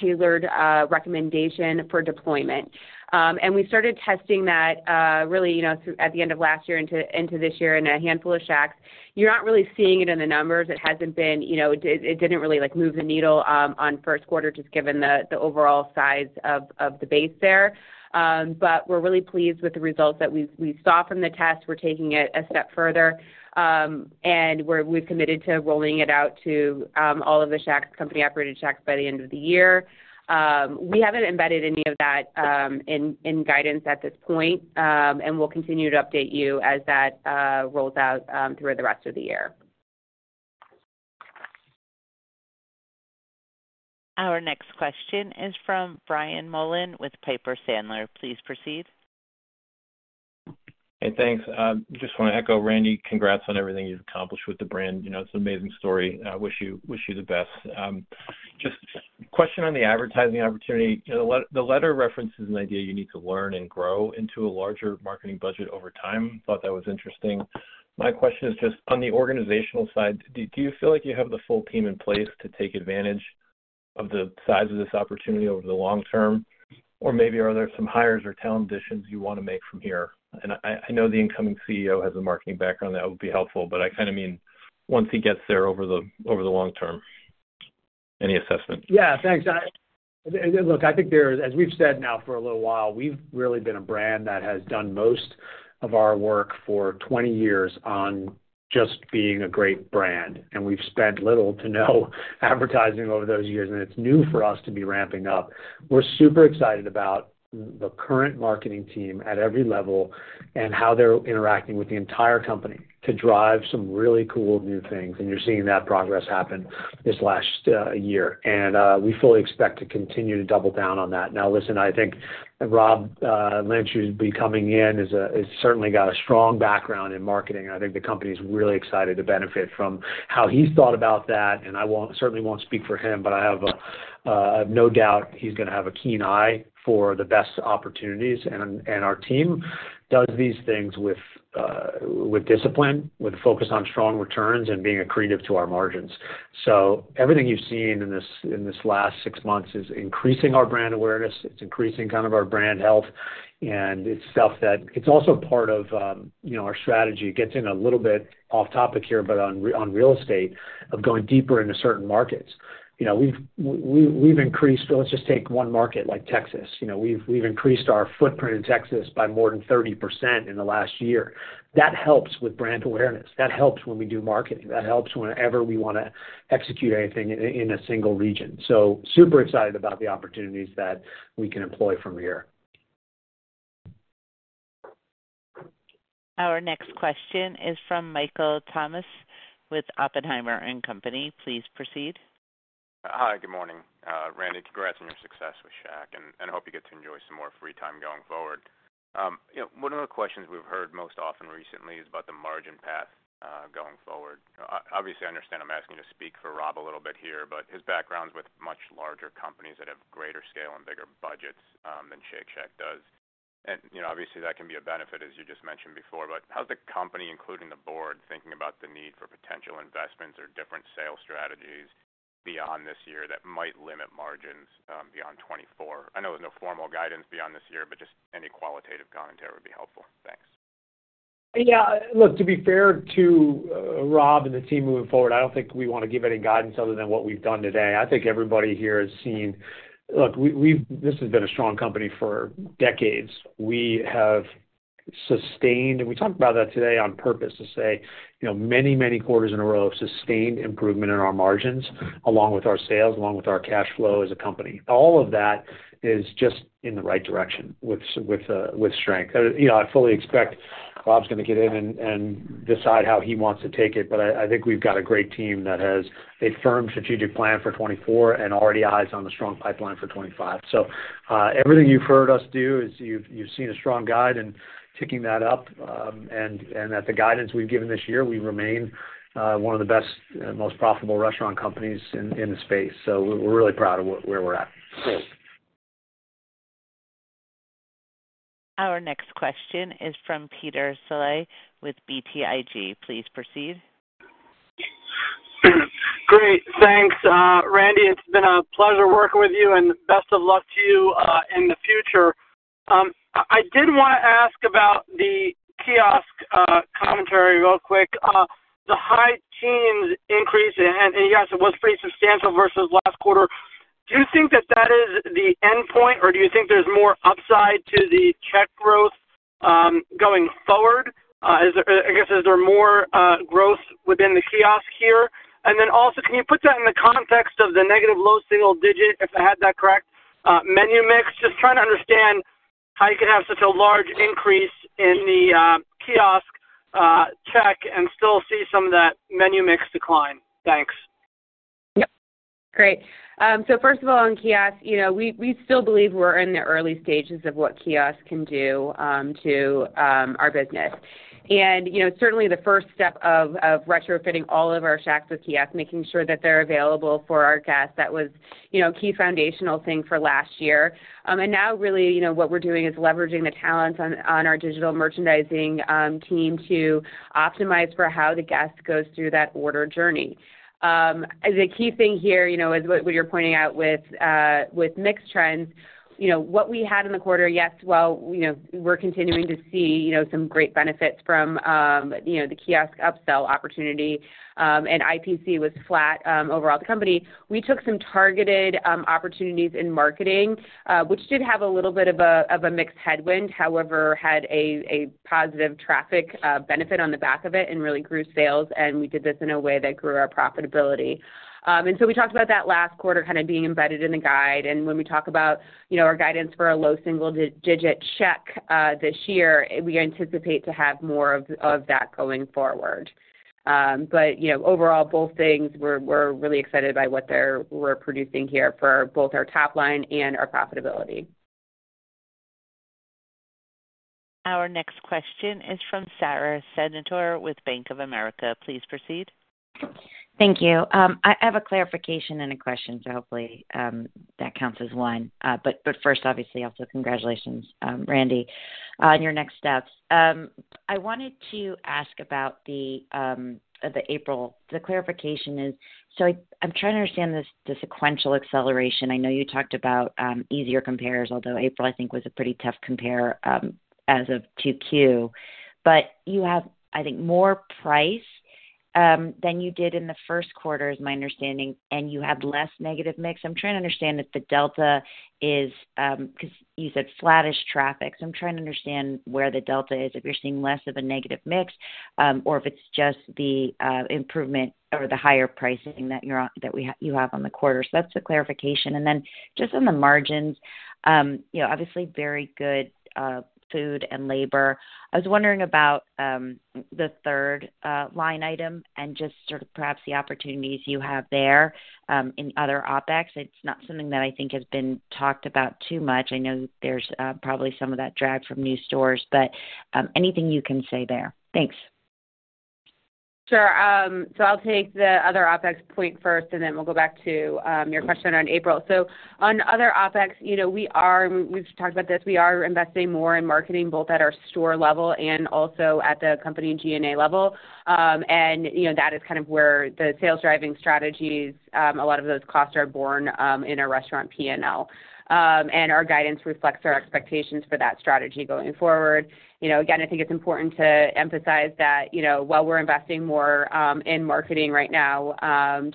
tailored recommendation for deployment. And we started testing that really, you know, at the end of last year into this year in a handful of Shacks. You're not really seeing it in the numbers. It hasn't been, you know, it didn't really, like, move the needle on first quarter, just given the overall size of the base there. But we're really pleased with the results that we saw from the test. We're taking it a step further, and we've committed to rolling it out to all of the Shacks, company-operated Shacks by the end of the year. We haven't embedded any of that in guidance at this point, and we'll continue to update you as that rolls out through the rest of the year. Our next question is from Brian Mullan with Piper Sandler. Please proceed. Hey, thanks. Just wanna echo, Randy, congrats on everything you've accomplished with the brand. You know, it's an amazing story. I wish you the best. Just question on the advertising opportunity. You know, the letter references an idea you need to learn and grow into a larger marketing budget over time. Thought that was interesting. My question is just, on the organizational side, do you feel like you have the full team in place to take advantage of the size of this opportunity over the long term? Or maybe are there some hires or talent additions you wanna make from here? And I know the incoming CEO has a marketing background, that would be helpful, but I kinda mean once he gets there over the long term. Any assessment? Yeah, thanks. Look, I think there is... As we've said now for a little while, we've really been a brand that has done most of our work for 20 years on just being a great brand, and we've spent little to no advertising over those years, and it's new for us to be ramping up. We're super excited about the current marketing team at every level and how they're interacting with the entire company to drive some really cool new things. And you're seeing that progress happen this last year. And we fully expect to continue to double down on that. Now, listen, I think Rob Lynch, who's becoming in, has certainly got a strong background in marketing. I think the company is really excited to benefit from how he's thought about that, and I won't, certainly won't speak for him, but I have no doubt he's gonna have a keen eye for the best opportunities, and our team does these things with discipline, with a focus on strong returns and being accretive to our margins. So everything you've seen in this last six months is increasing our brand awareness, it's increasing kind of our brand health, and it's stuff that it's also part of, you know, our strategy. Getting a little bit off topic here, but on real estate, of going deeper into certain markets. You know, we've increased—Let's just take one market like Texas. You know, we've increased our footprint in Texas by more than 30% in the last year. That helps with brand awareness. That helps when we do marketing. That helps whenever we wanna execute anything in a single region. So super excited about the opportunities that we can employ from here. Our next question is from Michael Tamas with Oppenheimer & Co. Inc. Please proceed. Hi, good morning. Randy, congrats on your success with Shake Shack, and I hope you get to enjoy some more free time going forward. You know, one of the questions we've heard most often recently is about the margin path going forward. Obviously, I understand I'm asking you to speak for Rob a little bit here, but his background is with much larger companies that have greater scale and bigger budgets than Shake Shack does. And you know, obviously, that can be a benefit, as you just mentioned before, but how's the company, including the board, thinking about the need for potential investments or different sales strategies beyond this year that might limit margins beyond 2024? I know there's no formal guidance beyond this year, but just any qualitative commentary would be helpful. Thanks. Yeah, look, to be fair to Rob and the team moving forward, I don't think we want to give any guidance other than what we've done today. I think everybody here has seen... Look, this has been a strong company for decades. We have sustained, and we talked about that today on purpose, to say, you know, many, many quarters in a row of sustained improvement in our margins, along with our sales, along with our cash flow as a company. All of that is just in the right direction with strength. You know, I fully expect Rob's gonna get in and decide how he wants to take it, but I think we've got a great team that has a firm strategic plan for 2024 and already eyes on the strong pipeline for 2025.So, everything you've heard us do is you've seen a strong guide and ticking that up, and at the guidance we've given this year, we remain one of the best and most profitable restaurant companies in the space. So we're really proud of where we're at. Thanks. Our next question is from Peter Saleh with BTIG. Please proceed. Great. Thanks, Randy. It's been a pleasure working with you, and best of luck to you in the future. I did wanna ask about the kiosk commentary real quick. The high teens increase, and yes, it was pretty substantial versus last quarter. Do you think that that is the endpoint, or do you think there's more upside to the check growth going forward? Is there, I guess, is there more growth within the kiosk here? And then also, can you put that in the context of the negative low single digit, if I had that correct, menu mix? Just trying to understand how you could have such a large increase in the kiosk check and still see some of that menu mix decline. Thanks. Yep. Great. So first of all, on kiosk, you know, we still believe we're in the early stages of what kiosk can do to our business. You know, certainly the first step of retrofitting all of our Shacks with kiosk, making sure that they're available for our guests, that was, you know, a key foundational thing for last year. Now really, you know, what we're doing is leveraging the talents on our digital merchandising team to optimize for how the guest goes through that order journey. The key thing here, you know, is what you're pointing out with mix trends. You know, what we had in the quarter, yes, while, you know, we're continuing to see, you know, some great benefits from, you know, the kiosk upsell opportunity, and IPC was flat overall. The company, we took some targeted opportunities in marketing, which did have a little bit of a mix headwind, however, had a positive traffic benefit on the back of it and really grew sales, and we did this in a way that grew our profitability. And so we talked about that last quarter kind of being embedded in the guide. And when we talk about, you know, our guidance for a low single-digit check this year, we anticipate to have more of that going forward. But, you know, overall, both things, we're really excited by what we're producing here for both our top line and our profitability. Our next question is from Sara Senatore with Bank of America. Please proceed. Thank you. I have a clarification and a question, so hopefully that counts as one. But, but first, obviously, also congratulations, Randy, on your next steps. I wanted to ask about the, the April... The clarification is, so I'm trying to understand this, the sequential acceleration. I know you talked about easier compares, although April, I think, was a pretty tough compare as of 2Q. But you have, I think, more price than you did in the first quarter, is my understanding, and you have less negative mix. I'm trying to understand if the delta is 'cause you said flattish traffic. So I'm trying to understand where the delta is, if you're seeing less of a negative mix, or if it's just the improvement or the higher pricing that you have on the quarter. So that's the clarification. And then just on the margins, you know, obviously very good food and labor. I was wondering about the third line item and just sort of perhaps the opportunities you have there in other OpEx. It's not something that I think has been talked about too much. I know there's probably some of that drag from new stores, but anything you can say there? Thanks. ... Sure. So I'll take the other OpEx point first, and then we'll go back to your question on April. So on other OpEx, you know, we are—we've talked about this, we are investing more in marketing, both at our store level and also at the company G&A level. And, you know, that is kind of where the sales-driving strategies, a lot of those costs are born, in our restaurant P&L. And our guidance reflects our expectations for that strategy going forward. You know, again, I think it's important to emphasize that, you know, while we're investing more in marketing right now,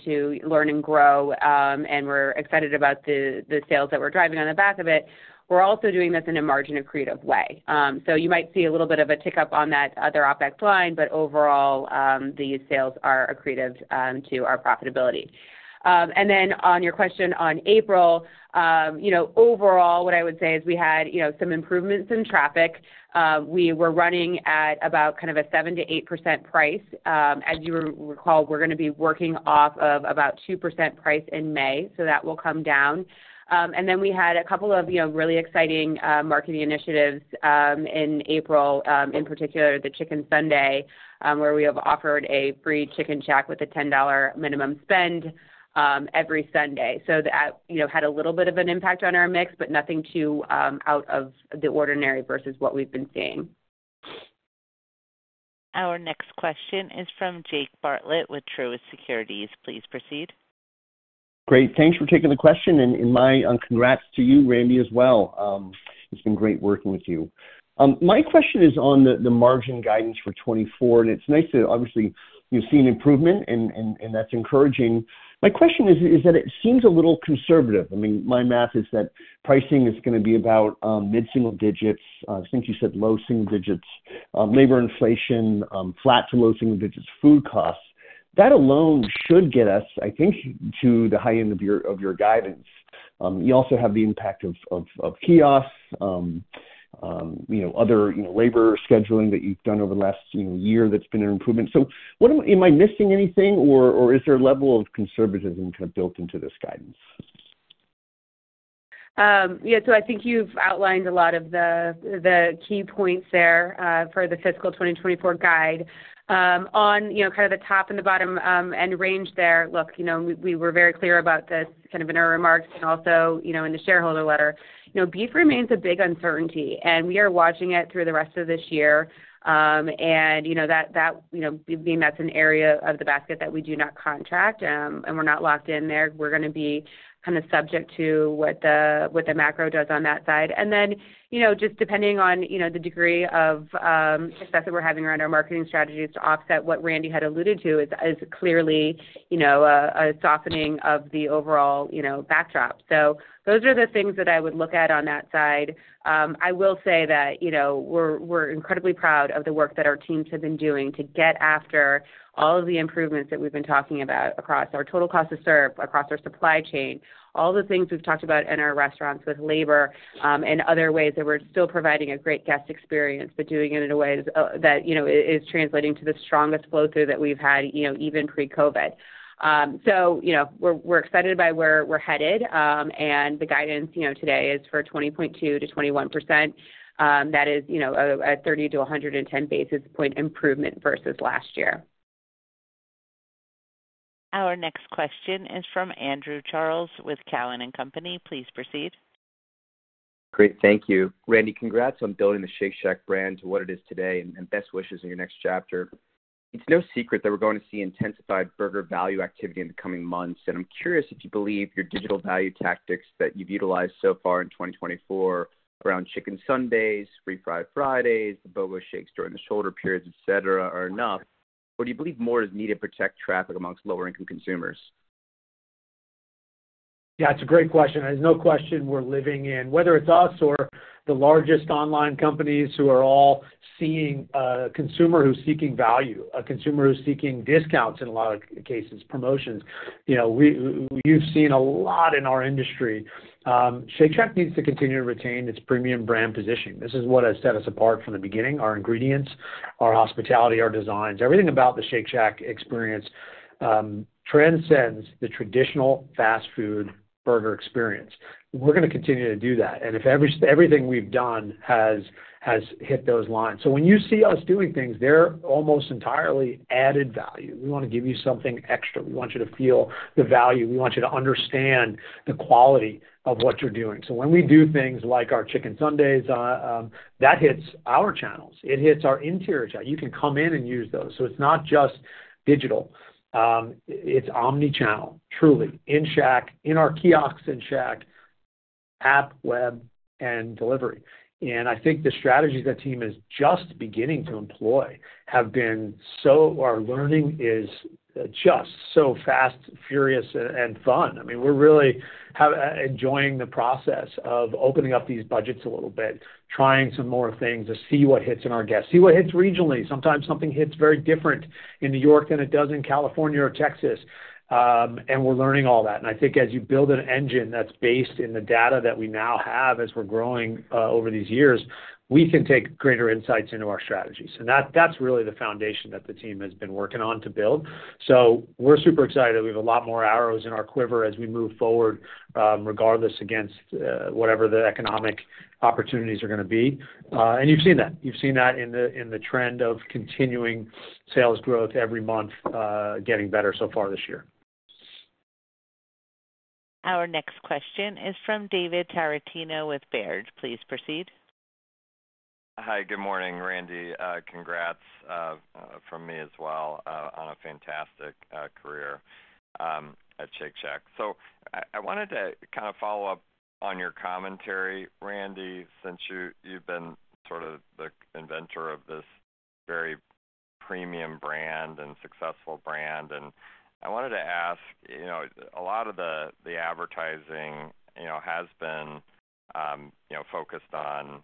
to learn and grow, and we're excited about the sales that we're driving on the back of it, we're also doing this in a margin-accretive way. So you might see a little bit of a tick up on that other OpEx line, but overall, these sales are accretive to our profitability. And then on your question on April, you know, overall, what I would say is we had, you know, some improvements in traffic. We were running at about kind of a 7%-8% price. As you recall, we're gonna be working off of about 2% price in May, so that will come down. And then we had a couple of, you know, really exciting marketing initiatives in April, in particular, the Chicken Sunday, where we have offered a free Chicken Shack with a $10 minimum spend every Sunday. That, you know, had a little bit of an impact on our mix, but nothing too out of the ordinary versus what we've been seeing. Our next question is from Jake Bartlett with Truist Securities. Please proceed. Great. Thanks for taking the question, and my congrats to you, Randy, as well. It's been great working with you. My question is on the margin guidance for 2024, and it's nice to obviously, you've seen improvement, and that's encouraging. My question is that it seems a little conservative. I mean, my math is that pricing is gonna be about mid-single digits. I think you said low single digits. Labor inflation, flat to low single digits, food costs. That alone should get us, I think, to the high end of your guidance. You also have the impact of kiosks, you know, other, you know, labor scheduling that you've done over the last, you know, year that's been an improvement. So what am I missing anything, or is there a level of conservatism kind of built into this guidance? Yeah, so I think you've outlined a lot of the key points there for the fiscal 2024 guide. You know, kind of the top and the bottom and range there, look, you know, we were very clear about this kind of in our remarks and also, you know, in the shareholder letter. You know, beef remains a big uncertainty, and we are watching it through the rest of this year. And you know, that being that's an area of the basket that we do not contract, and we're not locked in there, we're gonna be kind of subject to what the macro does on that side. And then, you know, just depending on, you know, the degree of success that we're having around our marketing strategies to offset what Randy had alluded to is clearly, you know, a softening of the overall, you know, backdrop. So those are the things that I would look at on that side. I will say that, you know, we're incredibly proud of the work that our teams have been doing to get after all of the improvements that we've been talking about across our total cost to serve, across our supply chain, all the things we've talked about in our restaurants with labor, and other ways that we're still providing a great guest experience, but doing it in a way that that, you know, is translating to the strongest flow-through that we've had, you know, even pre-COVID.So, you know, we're excited by where we're headed, and the guidance, you know, today is for 20.2%-21%. That is, you know, a 30-110 basis point improvement versus last year. Our next question is from Andrew Charles with Cowen and Company. Please proceed. Great, thank you. Randy, congrats on building the Shake Shack brand to what it is today, and, and best wishes in your next chapter. It's no secret that we're going to see intensified burger value activity in the coming months, and I'm curious if you believe your digital value tactics that you've utilized so far in 2024 around Chicken Sundays, Free Fry Fridays, the BOGO shakes during the shoulder periods, et cetera, are enough, or do you believe more is needed to protect traffic amongst lower-income consumers? Yeah, it's a great question. There's no question we're living in. Whether it's us or the largest online companies who are all seeing a consumer who's seeking value, a consumer who's seeking discounts, in a lot of cases, promotions. You know, we've seen a lot in our industry. Shake Shack needs to continue to retain its premium brand position. This is what has set us apart from the beginning, our ingredients, our hospitality, our designs. Everything about the Shake Shack experience transcends the traditional fast food burger experience. We're gonna continue to do that, and everything we've done has hit those lines. So when you see us doing things, they're almost entirely added value. We wanna give you something extra. We want you to feel the value. We want you to understand the quality of what you're doing. So when we do things like our Chicken Sundays, that hits our channels. It hits our interior channel. You can come in and use those. So it's not just digital. It's omni-channel, truly, in Shack, in our kiosks in Shack, app, web, and delivery. And I think the strategies the team is just beginning to employ have been so. Our learning is just so fast, furious, and fun. I mean, we're really have enjoying the process of opening up these budgets a little bit, trying some more things to see what hits in our guests, see what hits regionally. Sometimes something hits very different in New York than it does in California or Texas, and we're learning all that. I think as you build an engine that's based in the data that we now have as we're growing, over these years, we can take greater insights into our strategies. So that's really the foundation that the team has been working on to build. So we're super excited. We have a lot more arrows in our quiver as we move forward, regardless against whatever the economic opportunities are gonna be. And you've seen that. You've seen that in the trend of continuing sales growth every month, getting better so far this year. Our next question is from David Tarantino with Baird. Please proceed. Hi, good morning, Randy. Congrats from me as well on a fantastic career at Shake Shack. So I, I wanted to kind of follow up on your commentary, Randy, since you've been sort of the inventor of this very premium brand and successful brand. And I wanted to ask, you know, a lot of the advertising, you know, has been focused on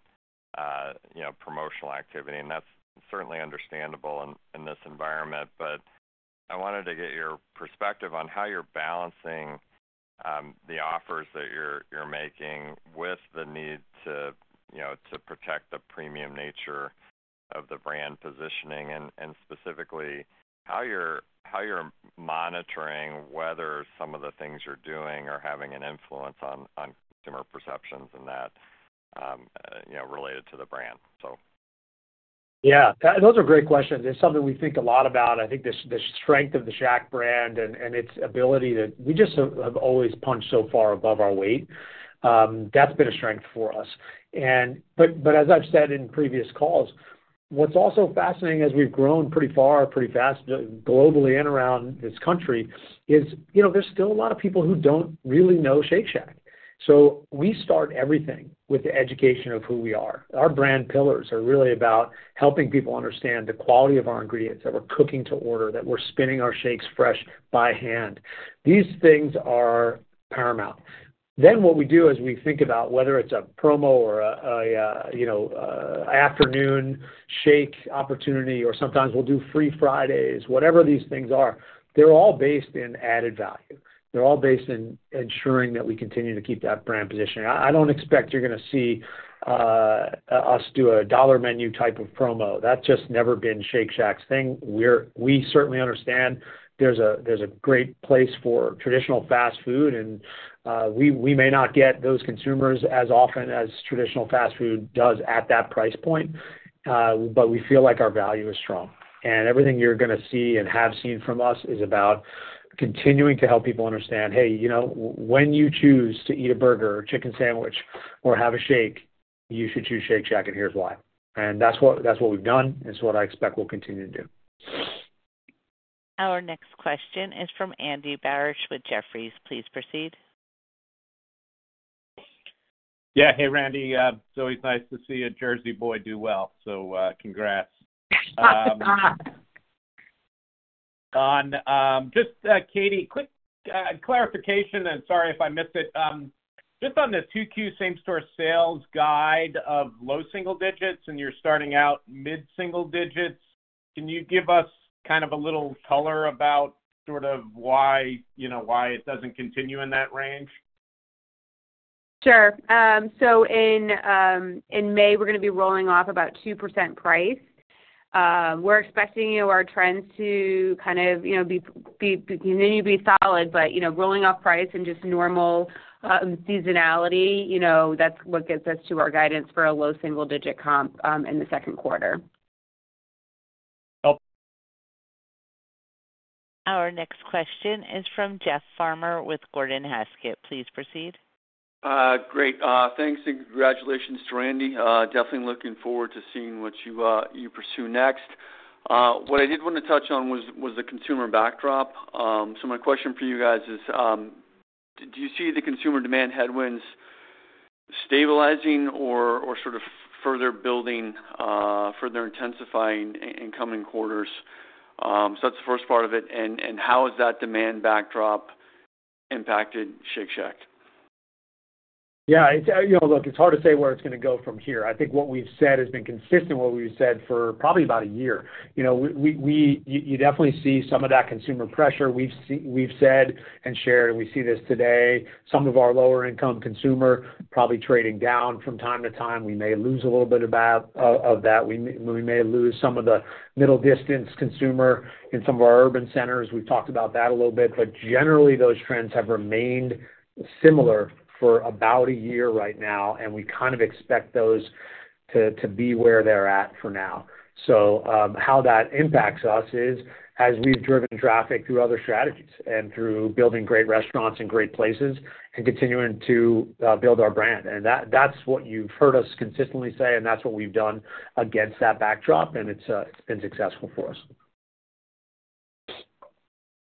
promotional activity, and that's certainly understandable in this environment. But I wanted to get your perspective on how you're balancing the offers that you're making with the need to, you know, to protect the premium nature of the brand positioning, and specifically, how you're monitoring whether some of the things you're doing are having an influence on consumer perceptions and that, you know, related to the brand, so. Yeah, those are great questions. It's something we think a lot about. I think the strength of the Shack brand and its ability to... We just have always punched so far above our weight. That's been a strength for us. But as I've said in previous calls, what's also fascinating as we've grown pretty far, pretty fast, globally and around this country is, you know, there's still a lot of people who don't really know Shake Shack. So we start everything with the education of who we are. Our brand pillars are really about helping people understand the quality of our ingredients, that we're cooking to order, that we're spinning our shakes fresh by hand. These things are paramount. Then what we do is we think about whether it's a promo or a afternoon shake opportunity, or sometimes we'll do Free Fridays. Whatever these things are, they're all based in added value. They're all based in ensuring that we continue to keep that brand positioning. I don't expect you're gonna see us do a dollar menu type of promo. That's just never been Shake Shack's thing. We're we certainly understand there's a great place for traditional fast food, and we may not get those consumers as often as traditional fast food does at that price point. But we feel like our value is strong. And everything you're gonna see and have seen from us is about continuing to help people understand, hey, you know, when you choose to eat a burger or chicken sandwich or have a shake, you should choose Shake Shack, and here's why. And that's what, that's what we've done, and it's what I expect we'll continue to do. Our next question is from Andy Barish with Jefferies. Please proceed. Yeah. Hey, Randy. It's always nice to see a Jersey boy do well, so, congrats. Katie, quick clarification, and sorry if I missed it. Just on the 2Q same-store sales guide of low single digits, and you're starting out mid single digits, can you give us kind of a little color about sort of why, you know, why it doesn't continue in that range? Sure. So in May, we're gonna be rolling off about 2% price. We're expecting, you know, our trends to kind of, you know, continue to be solid, but, you know, rolling off price and just normal seasonality, you know, that's what gets us to our guidance for a low single-digit comp in the second quarter. Help. Our next question is from Jeff Farmer with Gordon Haskett. Please proceed. Great. Thanks, and congratulations to Randy. Definitely looking forward to seeing what you pursue next. What I did want to touch on was the consumer backdrop. So my question for you guys is, do you see the consumer demand headwinds stabilizing or sort of further building, further intensifying in coming quarters? So that's the first part of it. And how has that demand backdrop impacted Shake Shack? Yeah, it's you know, look, it's hard to say where it's gonna go from here. I think what we've said has been consistent, what we've said for probably about a year. You know, we definitely see some of that consumer pressure. We've said and shared, and we see this today, some of our lower-income consumer probably trading down from time to time. We may lose a little bit of that. We may lose some of the middle-income consumer in some of our urban centers. We've talked about that a little bit, but generally, those trends have remained similar for about a year right now, and we kind of expect those to be where they're at for now. So, how that impacts us is, as we've driven traffic through other strategies and through building great restaurants in great places and continuing to build our brand, and that's what you've heard us consistently say, and that's what we've done against that backdrop, and it's been successful for us.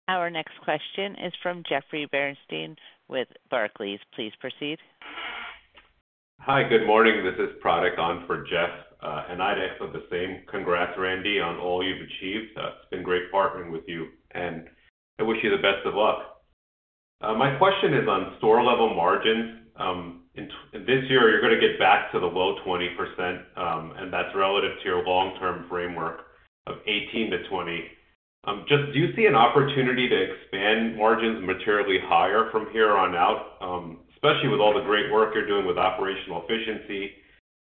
Our next question is from Jeffrey Bernstein with Barclays. Please proceed. Hi, good morning. This is Pratik on for Jeff, and I'd echo the same. Congrats, Randy, on all you've achieved. It's been great partnering with you, and I wish you the best of luck. My question is on store-level margins. In this year, you're gonna get back to the low 20%, and that's relative to your long-term framework of 18%-20%. Just, do you see an opportunity to expand margins materially higher from here on out, especially with all the great work you're doing with operational efficiency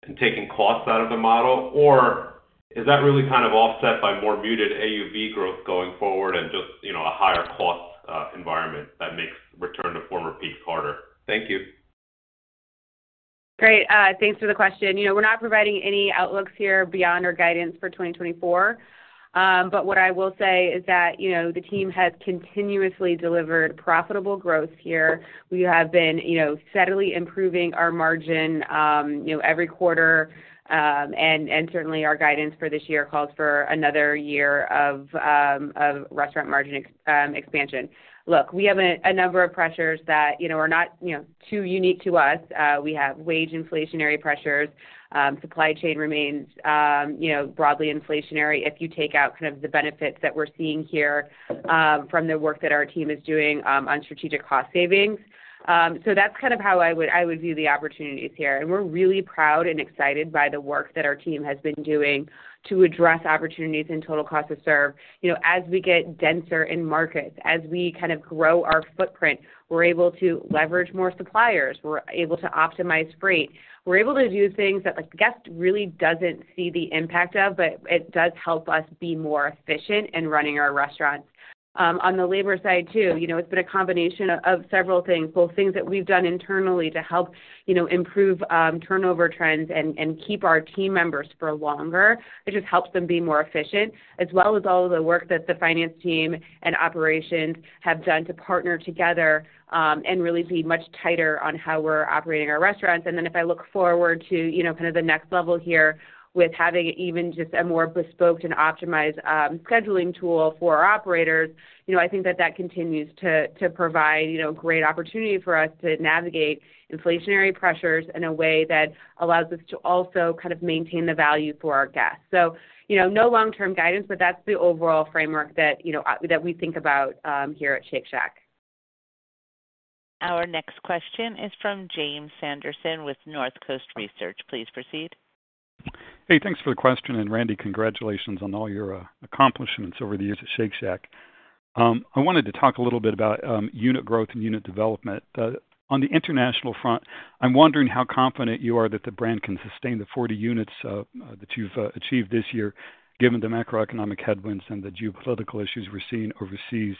and taking costs out of the model? Or is that really kind of offset by more muted AUV growth going forward and just, you know, a higher cost environment that makes return to former peaks harder? Thank you.... Great. Thanks for the question. You know, we're not providing any outlooks here beyond our guidance for 2024. But what I will say is that, you know, the team has continuously delivered profitable growth here. We have been, you know, steadily improving our margin, you know, every quarter. And certainly, our guidance for this year calls for another year of restaurant margin expansion. Look, we have a number of pressures that, you know, are not, you know, too unique to us. We have wage inflationary pressures. Supply chain remains, you know, broadly inflationary if you take out kind of the benefits that we're seeing here from the work that our team is doing on strategic cost savings. So that's kind of how I would view the opportunities here, and we're really proud and excited by the work that our team has been doing to address opportunities in total cost to serve. You know, as we get denser in markets, as we kind of grow our footprint, we're able to leverage more suppliers. We're able to optimize freight. We're able to do things that, like, the guest really doesn't see the impact of, but it does help us be more efficient in running our restaurants. On the labor side, too, you know, it's been a combination of several things. Both things that we've done internally to help, you know, improve turnover trends and keep our team members for longer. It just helps them be more efficient, as well as all of the work that the finance team and operations have done to partner together, and really be much tighter on how we're operating our restaurants. And then if I look forward to, you know, kind of the next level here, with having even just a more bespoke and optimized, scheduling tool for our operators, you know, I think that that continues to provide, you know, great opportunity for us to navigate inflationary pressures in a way that allows us to also kind of maintain the value for our guests. So, you know, no long-term guidance, but that's the overall framework that, you know, that we think about, here at Shake Shack. Our next question is from Jim Sanderson with North Coast Research. Please proceed. Hey, thanks for the question, and Randy, congratulations on all your accomplishments over the years at Shake Shack. I wanted to talk a little bit about unit growth and unit development. On the international front, I'm wondering how confident you are that the brand can sustain the 40 units that you've achieved this year, given the macroeconomic headwinds and the geopolitical issues we're seeing overseas.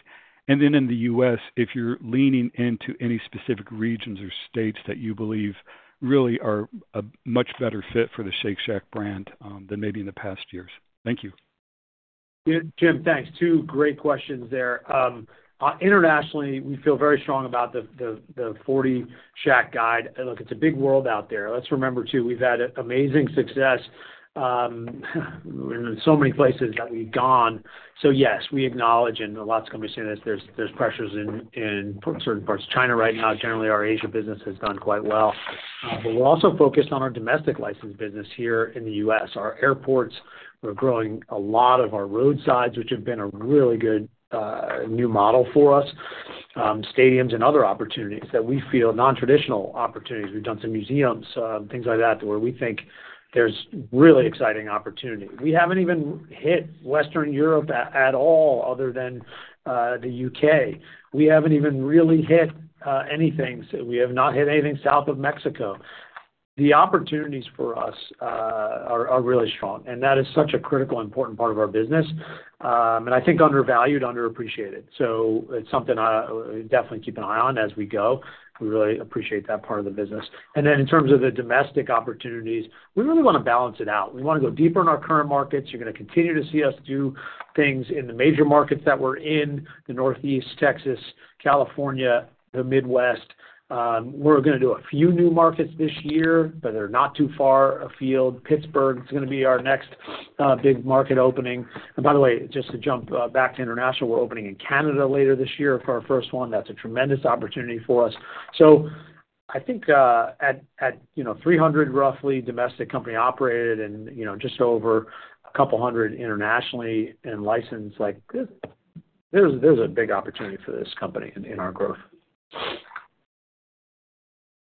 And then in the US, if you're leaning into any specific regions or states that you believe really are a much better fit for the Shake Shack brand than maybe in the past years. Thank you. Jim, thanks. Two great questions there. Internationally, we feel very strong about the 40 Shack guide. Look, it's a big world out there. Let's remember, too, we've had amazing success in so many places that we've gone. So yes, we acknowledge, and lots of companies say this, there's pressures in certain parts of China right now. Generally, our Asia business has done quite well. But we're also focused on our domestic license business here in the U.S. Our airports, we're growing a lot of our roadsides, which have been a really good new model for us. Stadiums and other opportunities that we feel... nontraditional opportunities. We've done some museums, things like that, where we think there's really exciting opportunity. We haven't even hit Western Europe at all, other than the U.K. We haven't even really hit anything. So we have not hit anything south of Mexico. The opportunities for us are really strong, and that is such a critical and important part of our business, and I think undervalued, underappreciated. So it's something I definitely keep an eye on as we go. We really appreciate that part of the business. And then in terms of the domestic opportunities, we really want to balance it out. We want to go deeper in our current markets. You're going to continue to see us do things in the major markets that we're in, the Northeast, Texas, California, the Midwest. We're going to do a few new markets this year, but they're not too far afield. Pittsburgh is going to be our next big market opening. By the way, just to jump back to international, we're opening in Canada later this year for our first one. That's a tremendous opportunity for us. So I think, at you know, 300, roughly, domestic company-operated and, you know, just over a couple hundred internationally and licensed, like, there's a big opportunity for this company in our growth.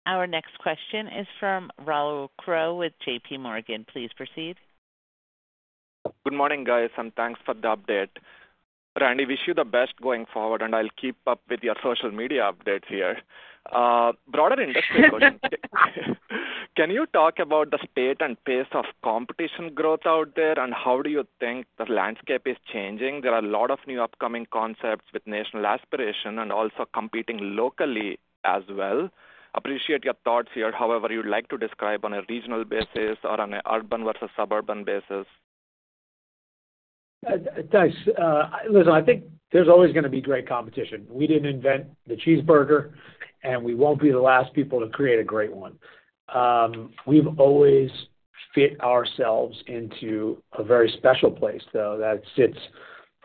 Our next question is from Rahul Krotthapalli with J.P. Morgan. Please proceed. Good morning, guys, and thanks for the update. Randy, wish you the best going forward, and I'll keep up with your social media updates here. Broader industry question. Can you talk about the state and pace of competition growth out there, and how do you think the landscape is changing? There are a lot of new upcoming concepts with national aspiration and also competing locally as well. Appreciate your thoughts here, however you'd like to describe on a regional basis or on a urban versus suburban basis. Thanks. Listen, I think there's always going to be great competition. We didn't invent the cheeseburger, and we won't be the last people to create a great one. We've always fit ourselves into a very special place, though, that sits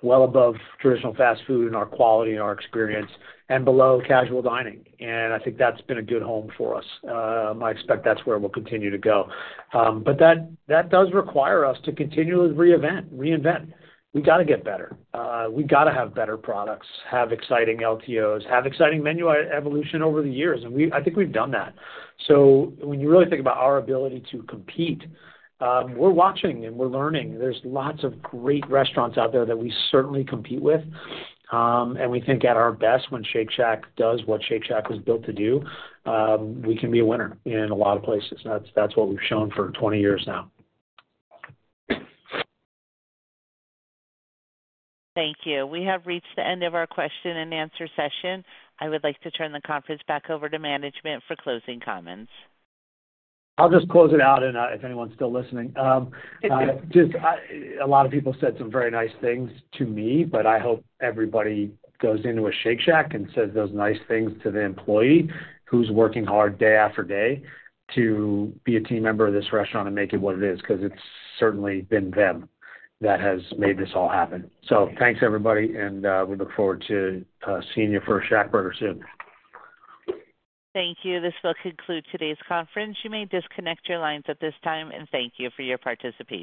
well above traditional fast food in our quality and our experience and below casual dining. And I think that's been a good home for us. I expect that's where we'll continue to go. But that does require us to continually reinvent, reinvent. We've got to get better. We've got to have better products, have exciting LTOs, have exciting menu evolution over the years, and we—I think we've done that. So when you really think about our ability to compete, we're watching and we're learning. There's lots of great restaurants out there that we certainly compete with. We think at our best, when Shake Shack does what Shake Shack was built to do, we can be a winner in a lot of places. That's, that's what we've shown for 20 years now. Thank you. We have reached the end of our question-and-answer session. I would like to turn the conference back over to management for closing comments. I'll just close it out and, if anyone's still listening. Just a lot of people said some very nice things to me, but I hope everybody goes into a Shake Shack and says those nice things to the employee who's working hard day after day to be a team member of this restaurant and make it what it is, because it's certainly been them that has made this all happen. So thanks, everybody, and, we look forward to seeing you for a ShackBurger soon. Thank you. This will conclude today's conference. You may disconnect your lines at this time, and thank you for your participation.